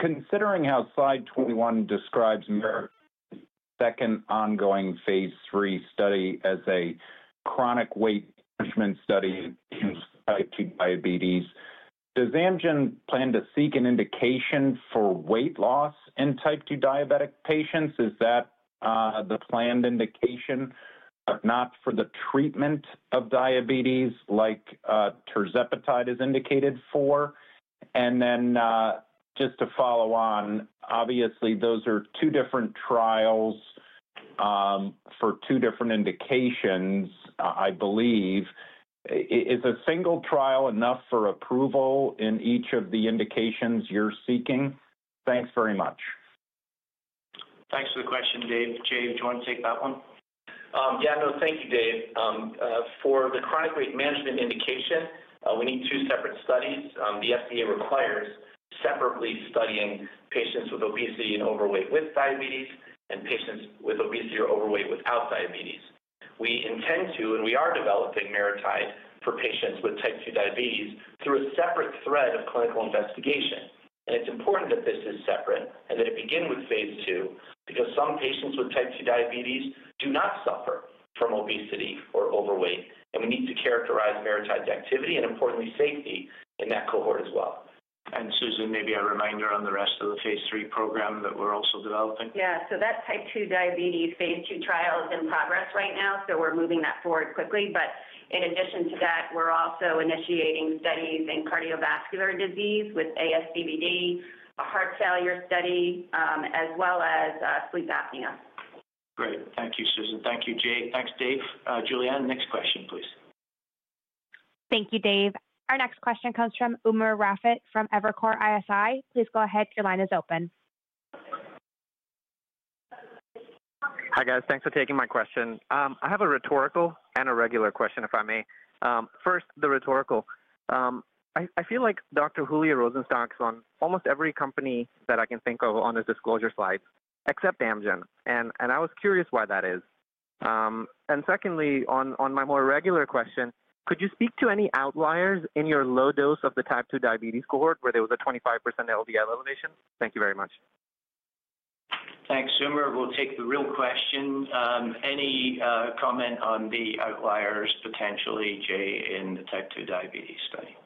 Considering how Slide 21 describes MariTide's second ongoing phase III study as a chronic weight management study in type II diabetes, does Amgen plan to seek an indication for weight loss in type II diabetic patients? Is that the planned indication, but not for the treatment of diabetes like tirzepatide is indicated for? Just to follow on, obviously, those are two different trials for two different indications, I believe. Is a single trial enough for approval in each of the indications you're seeking? Thanks very much. Thanks for the question, Dave. Jay, do you want to take that one? Yeah, no, thank you, Dave. For the chronic weight management indication, we need two separate studies. The FDA requires separately studying patients with obesity and overweight with diabetes and patients with obesity or overweight without diabetes. We intend to, and we are developing MariTide for patients with type II diabetes through a separate thread of clinical investigation. It is important that this is separate and that it begin with phase II because some patients with type II diabetes do not suffer from obesity or overweight. We need to characterize MariTide's activity and, importantly, safety in that cohort as well. Susan, maybe a reminder on the rest of the phase 3 program that we're also developing. Yeah, so that type II diabetes phase II trial is in progress right now, so we're moving that forward quickly. In addition to that, we're also initiating studies in cardiovascular disease with ASCVD, a heart failure study, as well as sleep apnea. Great. Thank you, Susan. Thank you, Jay. Thanks, Dave. Julianne, next question, please. Thank you, Dave. Our next question comes from Umer Raffat from Evercore ISI. Please go ahead. Your line is open. Hi, guys. Thanks for taking my question. I have a rhetorical and a regular question, if I may. First, the rhetorical. I feel like Dr. Julio Rosenstock's on almost every company that I can think of on his disclosure slides, except Amgen. I was curious why that is. Secondly, on my more regular question, could you speak to any outliers in your low dose of the type II diabetes cohort where there was a 25% LDL elevation? Thank you very much. Thanks, Umer. We'll take the real question. Any comment on the outliers, potentially, Jay, in the type II diabetes study?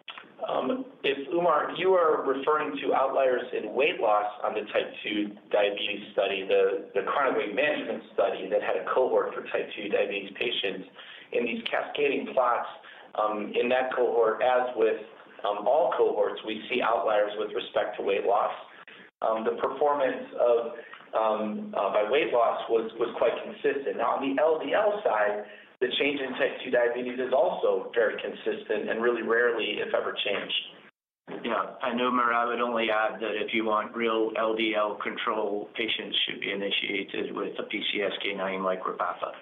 If, Umer, you are referring to outliers in weight loss on the type II diabetes study, the chronic weight management study that had a cohort for type II diabetes patients. In these cascading plots, in that cohort, as with all cohorts, we see outliers with respect to weight loss. The performance by weight loss was quite consistent. Now, on the LDL side, the change in type II diabetes is also very consistent and really rarely, if ever, changed. Yeah, I know, Murdo. I would only add that if you want real LDL control, patients should be initiated with a PCSK9 like Repatha.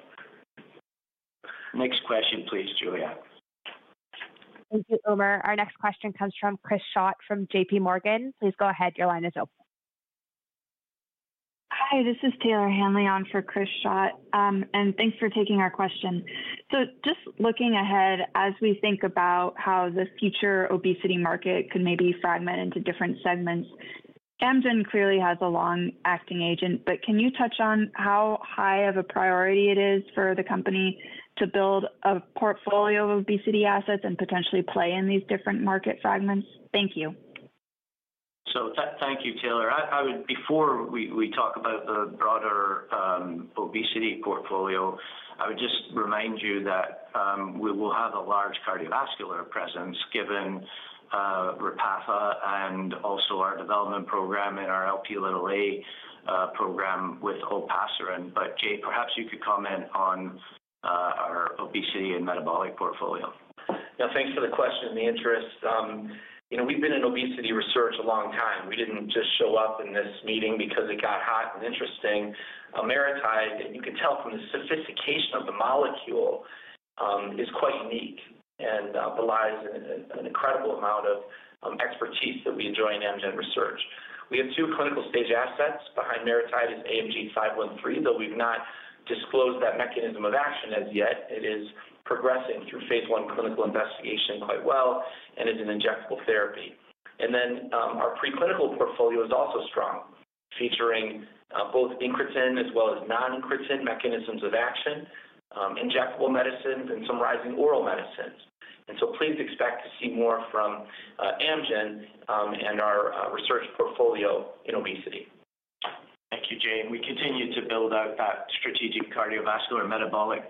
Next question, please, Julianne. Thank you, Umer. Our next question comes from Chris Schott from JPMorgan. Please go ahead. Your line is open. Hi, this is Taylor Hanley on for Chris Schott. And thanks for taking our question. Just looking ahead, as we think about how the future obesity market could maybe fragment into different segments, Amgen clearly has a long-acting agent, but can you touch on how high of a priority it is for the company to build a portfolio of obesity assets and potentially play in these different market fragments? Thank you. Thank you, Taylor. Before we talk about the broader obesity portfolio, I would just remind you that we will have a large cardiovascular presence given Repatha and also our development program and our Lp(a) program with Olpasiran. Jay, perhaps you could comment on our obesity and metabolic portfolio. Yeah, thanks for the question and the interest. We've been in obesity research a long time. We didn't just show up in this meeting because it got hot and interesting. MariTide, you can tell from the sophistication of the molecule, is quite unique and belies an incredible amount of expertise that we enjoy in Amgen research. We have two clinical stage assets. Behind MariTide is AMG-513, though we've not disclosed that mechanism of action as yet. It is progressing through phase I clinical investigation quite well and is an injectable therapy. Our preclinical portfolio is also strong, featuring both incretin as well as non-incretin mechanisms of action, injectable medicines, and some rising oral medicines. Please expect to see more from Amgen and our research portfolio in obesity. Thank you, Jay. We continue to build out that strategic cardiovascular and metabolic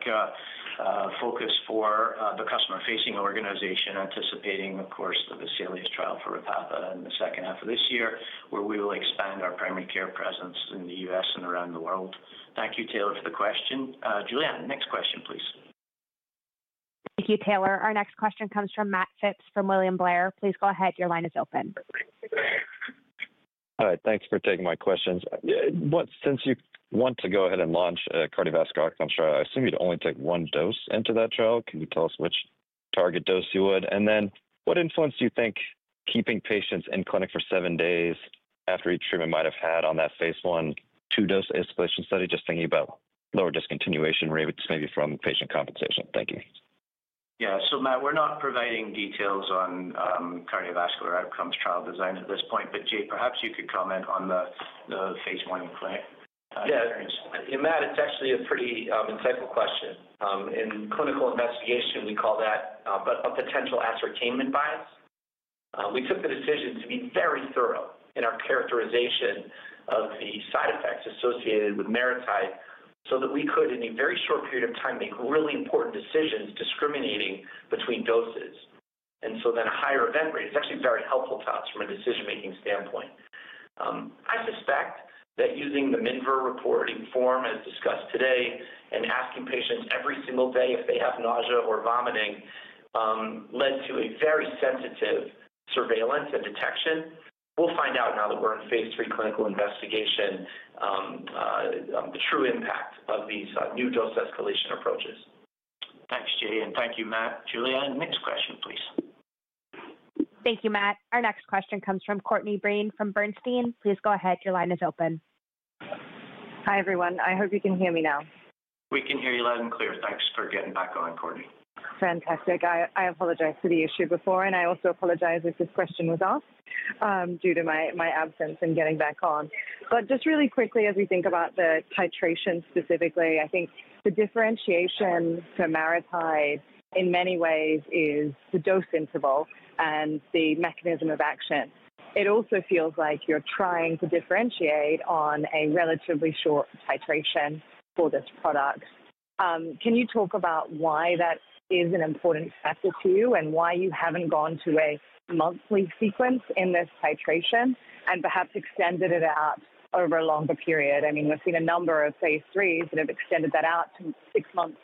focus for the customer-facing organization, anticipating, of course, the Vesalius trial for Repatha in the second half of this year, where we will expand our primary care presence in the U.S. and around the world. Thank you, Taylor, for the question. Julianne, next question, please. Thank you, Taylor. Our next question comes from Matt Phipps from William Blair. Please go ahead. Your line is open. All right. Thanks for taking my questions. Since you want to go ahead and launch a cardiovascular outcome trial, I assume you'd only take one dose into that trial. Can you tell us which target dose you would? And then what influence do you think keeping patients in clinic for seven days after each treatment might have had on that phase one two-dose escalation study, just thinking about lower discontinuation rate, just maybe from patient compensation? Thank you. Yeah. So Matt, we're not providing details on cardiovascular outcomes trial design at this point. But Jay, perhaps you could comment on the phase one in clinic experience. Yeah. Matt, it's actually a pretty insightful question. In clinical investigation, we call that a potential ascertainment bias. We took the decision to be very thorough in our characterization of the side effects associated with MariTide so that we could, in a very short period of time, make really important decisions discriminating between doses. And then a higher event rate is actually very helpful to us from a decision-making standpoint. I suspect that using the MinVer reporting form as discussed today and asking patients every single day if they have nausea or vomiting led to a very sensitive surveillance and detection. We'll find out now that we're in phase three clinical investigation the true impact of these new dose escalation approaches. Thanks, Jay. Thank you, Matt. Julianne, next question, please. Thank you, Matt. Our next question comes from Courtney Breen from Bernstein. Please go ahead. Your line is open. Hi, everyone. I hope you can hear me now. We can hear you loud and clear. Thanks for getting back on, Courtney. Fantastic. I apologize for the issue before, and I also apologize if this question was asked due to my absence and getting back on. Just really quickly, as we think about the titration specifically, I think the differentiation to MariTide in many ways is the dose interval and the mechanism of action. It also feels like you're trying to differentiate on a relatively short titration for this product. Can you talk about why that is an important factor to you and why you haven't gone to a monthly sequence in this titration and perhaps extended it out over a longer period? I mean, we've seen a number of phase III that have extended that out to six months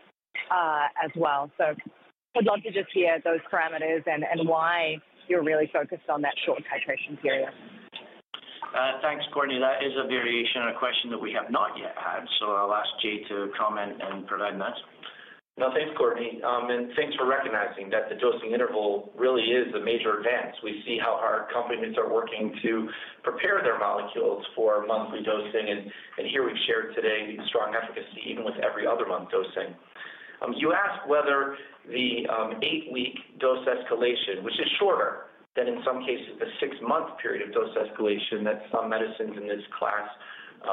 as well. I'd love to just hear those parameters and why you're really focused on that short titration period. Thanks, Courtney. That is a variation on a question that we have not yet had. I'll ask Jay to comment and provide that. No, thanks, Courtney. Thanks for recognizing that the dosing interval really is a major advance. We see how our companies are working to prepare their molecules for monthly dosing. Here we've shared today strong efficacy even with every other month dosing. You asked whether the eight-week dose escalation, which is shorter than in some cases the six-month period of dose escalation that some medicines in this class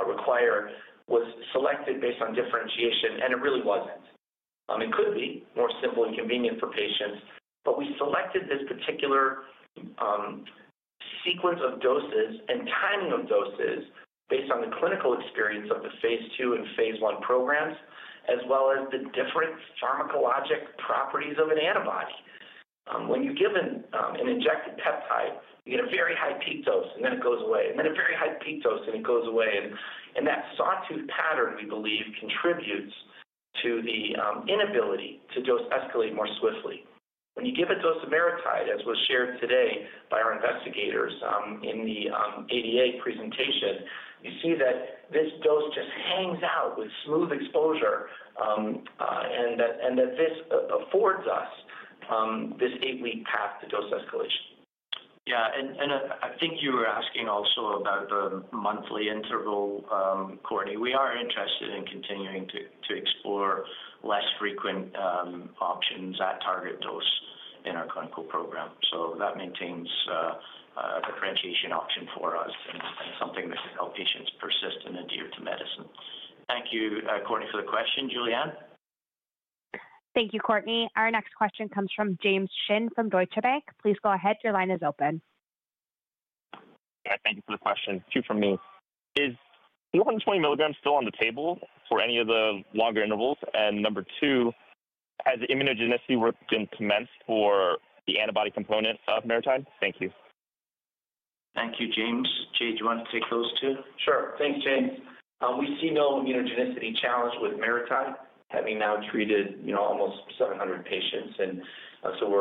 require, was selected based on differentiation. It really wasn't. It could be more simple and convenient for patients. We selected this particular sequence of doses and timing of doses based on the clinical experience of the phase II and phase I programs, as well as the different pharmacologic properties of an antibody. When you're given an injected peptide, you get a very high peak dose, and then it goes away. Then a very high peak dose, and it goes away. That sawtooth pattern, we believe, contributes to the inability to dose escalate more swiftly. When you give a dose of MariTide, as was shared today by our investigators in the ADA presentation, you see that this dose just hangs out with smooth exposure and that this affords us this eight-week path to dose escalation. Yeah. I think you were asking also about the monthly interval, Courtney. We are interested in continuing to explore less frequent options at target dose in our clinical program. That maintains a differentiation option for us and something that can help patients persist in adhering to medicine. Thank you, Courtney, for the question. Julianne. Thank you, Courtney. Our next question comes from James Shin from Deutsche Bank. Please go ahead. Your line is open. Thank you for the question. Two from me. Is 120 mg still on the table for any of the longer intervals? Number two, has immunogenicity been commenced for the antibody component of MariTide? Thank you. Thank you, James. Jay, do you want to take those two? Sure. Thanks, James. We see no immunogenicity challenge with MariTide, having now treated almost 700 patients. We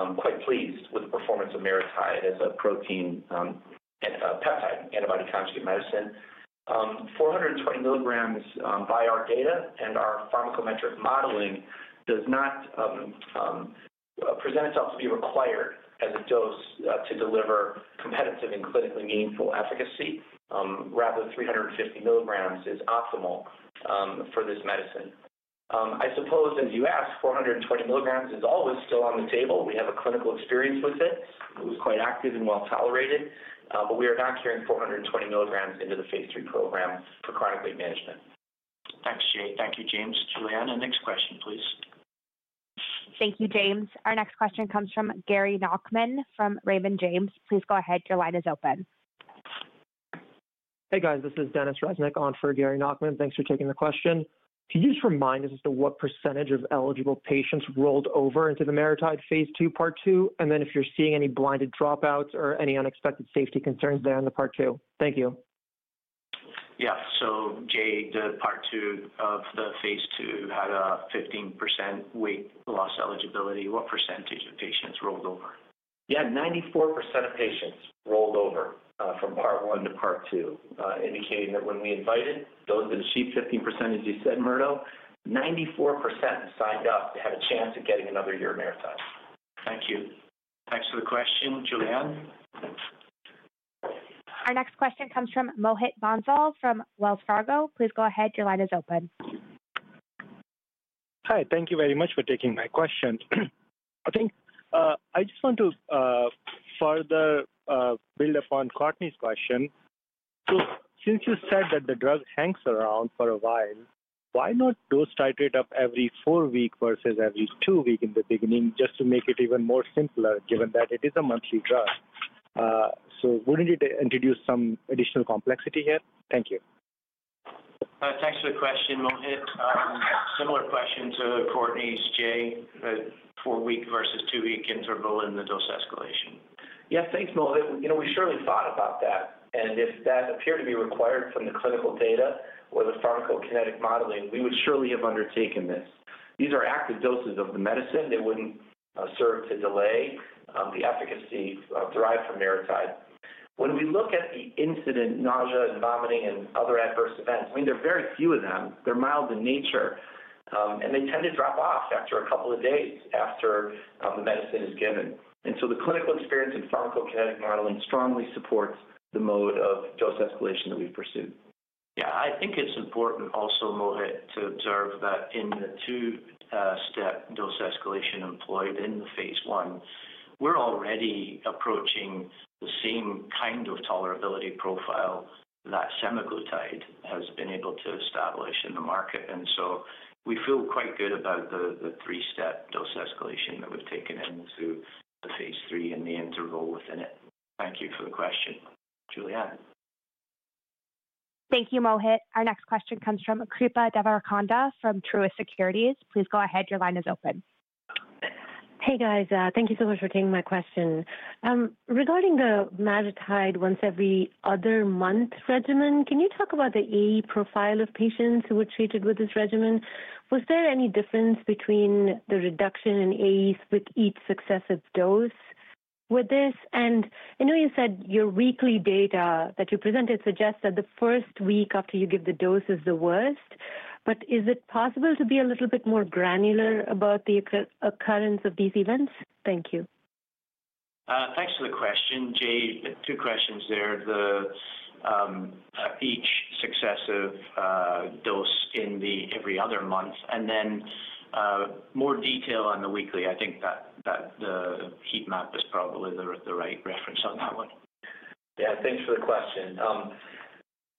are quite pleased with the performance of MariTide as a protein peptide antibody conjugate medicine, 420 mg, by our data and our pharma-cometric modeling, does not present itself to be required as a dose to deliver competitive and clinically meaningful efficacy. Rather, 350 mg is optimal for this medicine. I suppose, as you asked, 420 mg is always still on the table. We have a clinical experience with it. It was quite active and well tolerated. We are not carrying 420 mg into the phase III program for chronic weight management. Thanks, Jay. Thank you, James. Julianne, next question, please. Thank you, James. Our next question comes from Gary Nachman from Raymond James. Please go ahead. Your line is open. Hey, guys. This is Denis Reznik on for Gary Nachman. Thanks for taking the question. Can you just remind us as to what percentage of eligible patients rolled over into the MariTide phase two, part two? And then if you're seeing any blinded dropouts or any unexpected safety concerns there in the part two? Thank you. Yeah. So Jay, the part two of the phase II had a 15% weight loss eligibility. What percentage of patients rolled over? Yeah, 94% of patients rolled over from part one to part two, indicating that when we invited those in the achieved 15%, as you said, Murdo, 94% signed up to have a chance of getting another year of MariTide. Thank you. Thanks for the question. Julianne? Our next question comes from Mohit Bansal from Wells Fargo. Please go ahead. Your line is open. Hi. Thank you very much for taking my question. I think I just want to further build upon Courtney's question. Since you said that the drug hangs around for a while, why not dose titrate up every four weeks versus every two weeks in the beginning just to make it even more simple, given that it is a monthly drug? Wouldn't it introduce some additional complexity here? Thank you. Thanks for the question, Mohit. Similar question to Courtney's, Jay, four-week versus two-week interval in the dose escalation. Yes, thanks, Mohit. We surely thought about that. If that appeared to be required from the clinical data or the pharmacokinetic modeling, we would surely have undertaken this. These are active doses of the medicine. They wouldn't serve to delay the efficacy derived from MariTide. When we look at the incident, nausea and vomiting and other adverse events, I mean, there are very few of them. They're mild in nature. They tend to drop off after a couple of days after the medicine is given. The clinical experience and pharmacokinetic modeling strongly supports the mode of dose escalation that we've pursued. Yeah, I think it's important also, Mohit, to observe that in the two-step dose escalation employed in the phase I, we're already approaching the same kind of tolerability profile that semaglutide has been able to establish in the market. We feel quite good about the three-step dose escalation that we've taken into the phase III and the interval within it. Thank you for the question. Julianne. Thank you, Mohit. Our next question comes from Kripa Devarakonda from Truist Securities. Please go ahead. Your line is open. Hey, guys. Thank you so much for taking my question. Regarding the MariTide once every other month regimen, can you talk about the AE profile of patients who were treated with this regimen? Was there any difference between the reduction in AEs with each successive dose? I know you said your weekly data that you presented suggests that the first week after you give the dose is the worst. Is it possible to be a little bit more granular about the occurrence of these events? Thank you. Thanks for the question. Jay, two questions there. Each successive dose in the every other month. Then more detail on the weekly. I think that the heat map is probably the right reference on that one. Yeah. Thanks for the question.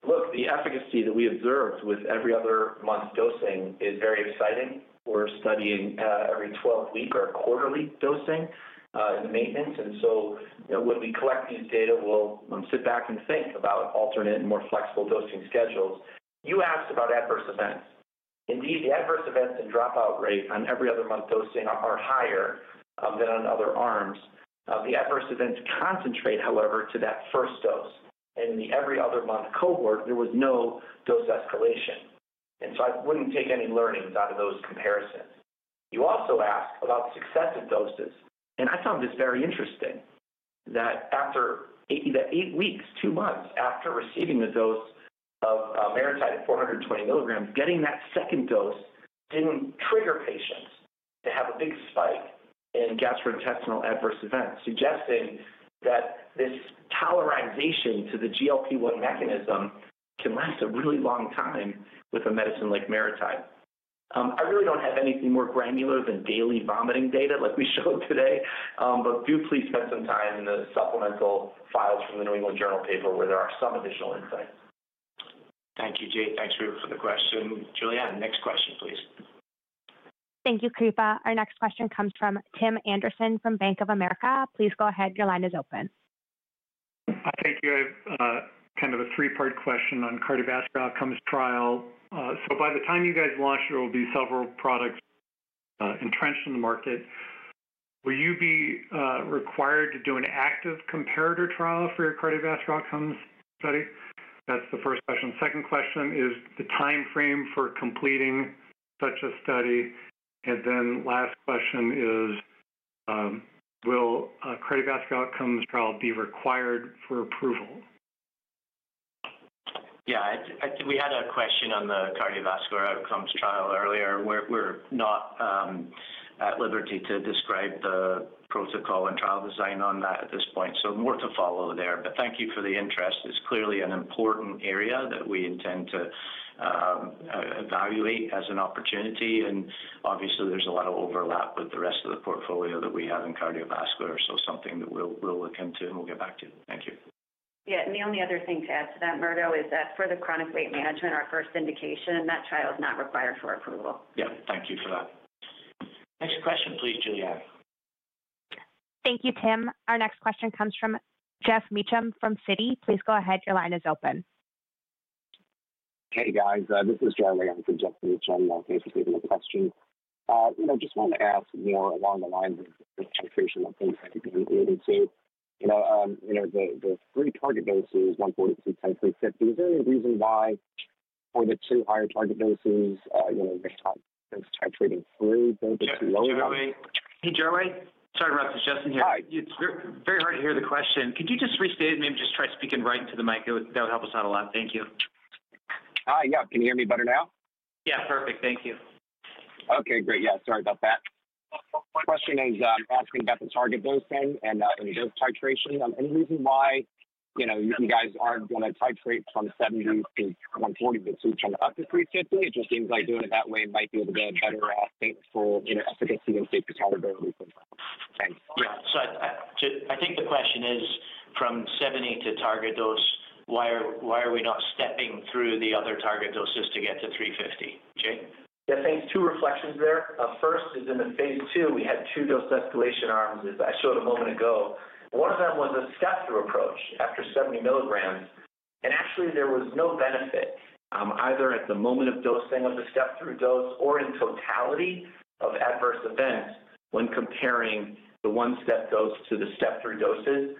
Look, the efficacy that we observed with every other month dosing is very exciting. We're studying every 12-week or quarterly dosing maintenance. When we collect these data, we'll sit back and think about alternate and more flexible dosing schedules. You asked about adverse events. Indeed, the adverse events and dropout rate on every other month dosing are higher than on other arms. The adverse events concentrate, however, to that first dose. In the every other month cohort, there was no dose escalation. I wouldn't take any learnings out of those comparisons. You also asked about successive doses. I found this very interesting that after eight weeks, two months after receiving a dose of MariTide at 420 mg, getting that second dose did not trigger patients to have a big spike in gastrointestinal adverse events, suggesting that this tolerization to the GLP-1 mechanism can last a really long time with a medicine like MariTide. I really do not have anything more granular than daily vomiting data like we showed today. But do please spend some time in the supplemental files from the New England Journal of Medicine paper where there are some additional insights. Thank you, Jay. Thanks for the question. Julianne next question, please. Thank you, Kripa. Our next question comes from Tim Anderson from Bank of America. Please go ahead. Your line is open. Hi. Thank you. I have kind of a three-part question on cardiovascular outcomes trial. By the time you guys launch, there will be several products entrenched in the market. Will you be required to do an active comparator trial for your cardiovascular outcomes study? That is the first question. Second question is the timeframe for completing such a study. And then last question is, will a cardiovascular outcomes trial be required for approval? Yeah. We had a question on the cardiovascular outcomes trial earlier. We are not at liberty to describe the protocol and trial design on that at this point. More to follow there. Thank you for the interest. It is clearly an important area that we intend to evaluate as an opportunity. Obviously, there is a lot of overlap with the rest of the portfolio that we have in cardiovascular. That is something that we will look into and we will get back to you. Thank you. Yeah. The only other thing to add to that, Murdo, is that for the chronic weight management, our first indication, that trial is not required for approval. Yeah. Thank you for that. Next question, please, Julianne. Thank you, Tim. Our next question comes from Jeff Meacham from Citi. Please go ahead. Your line is open. Hey, guys. This is Jeremy from Jeff Meacham. Thanks for taking the question. I just wanted to ask more along the lines of the titration that things have been leading to. The three target doses, 140, 210, 350, is there any reason why for the two higher target doses, you're not titrating through those lower ones? Hey, Jeremy. Sorry about the suggestion here. Hi. It's very hard to hear the question. Could you just restate it and maybe just try speaking right into the mic? That would help us out a lot. Thank you. Hi. Yeah. Can you hear me better now? Yeah. Perfect. Thank you. Great. Yeah. Sorry about that. My question is asking about the target dosing and dose titration. Any reason why you guys aren't going to titrate from 70 to 140 to 210 up to 350? It just seems like doing it that way might be a little bit better for efficacy and safety tolerability. Thanks. Yeah. I think the question is, from 70 to target dose, why are we not stepping through the other target doses to get to 350? Jay? Yeah. Thanks. Two reflections there. First is in the phase two, we had two dose escalation arms, as I showed a moment ago. One of them was a step-through approach after 70 mg. Actually, there was no benefit either at the moment of dosing of the step-through dose or in totality of adverse events when comparing the one-step dose to the step-through doses.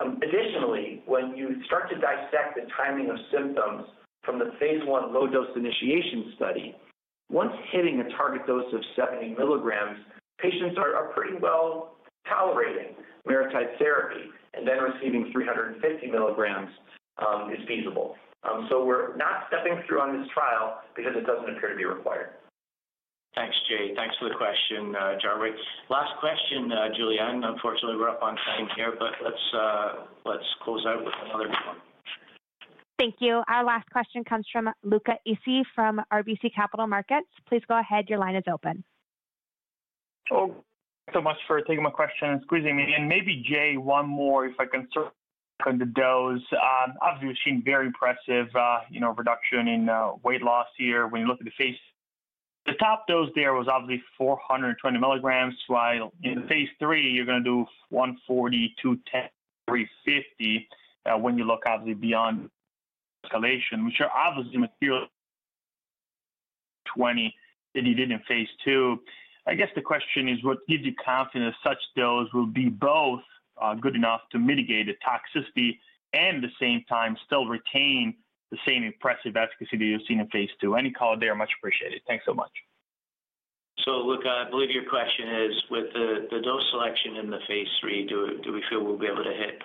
Additionally, when you start to dissect the timing of symptoms from the phase one low-dose initiation study, once hitting a target dose of 70 mg, patients are pretty well tolerating MariTide therapy. Then receiving 350 mg is feasible. We are not stepping through on this trial because it does not appear to be required. Thanks, Jay. Thanks for the question, Jeremy. Last question, Julianne. Unfortunately, we are up on time here. Let's close out with another one. Thank you. Our last question comes from Luca Issi from RBC Capital Markets. Please go ahead. Your line is open. Thanks so much for taking my question and squeezing me. Maybe, Jay, one more if I can circle back on the dose. Obviously, we've seen very impressive reduction in weight loss here. When you look at the phase, the top dose there was obviously 420 mg. While in phase III, you're going to do 140, 210, 350 when you look obviously beyond escalation, which are obviously material 20 that you did in phase II. I guess the question is, what gives you confidence such dose will be both good enough to mitigate the toxicity and at the same time still retain the same impressive efficacy that you've seen in phase II? Any comment there? Much appreciated. Thanks so much. Luca, I believe your question is, with the dose selection in the phase III, do we feel we'll be able to hit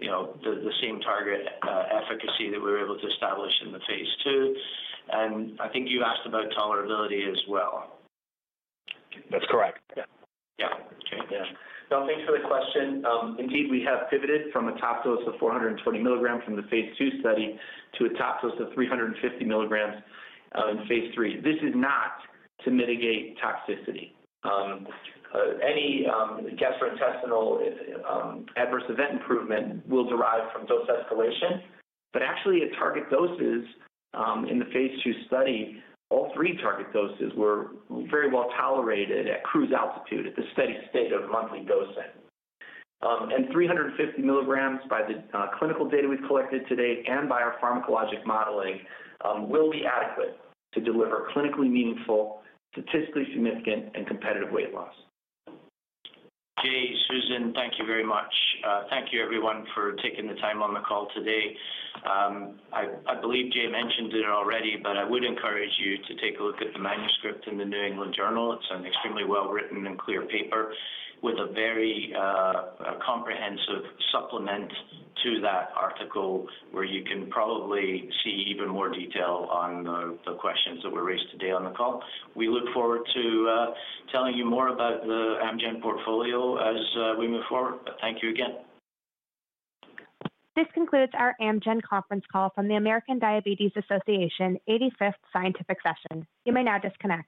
the same target efficacy that we were able to establish in the phase II? I think you asked about tolerability as well. That's correct. Okay. Yeah. No, thanks for the question. Indeed, we have pivoted from a top dose of 420 mg from the phase II study to a top dose of 350 milligrams in phase three. This is not to mitigate toxicity. Any gastrointestinal adverse event improvement will derive from dose escalation. Actually, at target doses in the phase two study, all three target doses were very well tolerated at cruise altitude at the steady state of monthly dosing. 350 milligrams by the clinical data we've collected today and by our pharmacologic modeling will be adequate to deliver clinically meaningful, statistically significant, and competitive weight loss. Jay, Susan, thank you very much. Thank you, everyone, for taking the time on the call today. I believe Jay mentioned it already, but I would encourage you to take a look at the manuscript in the New England Journal of Medicine. It's an extremely well-written and clear paper with a very comprehensive supplement to that article where you can probably see even more detail on the questions that were raised today on the call. We look forward to telling you more about the Amgen portfolio as we move forward. Thank you again. This concludes our Amgen conference call from the American Diabetes Association 85th scientific session. You may now disconnect.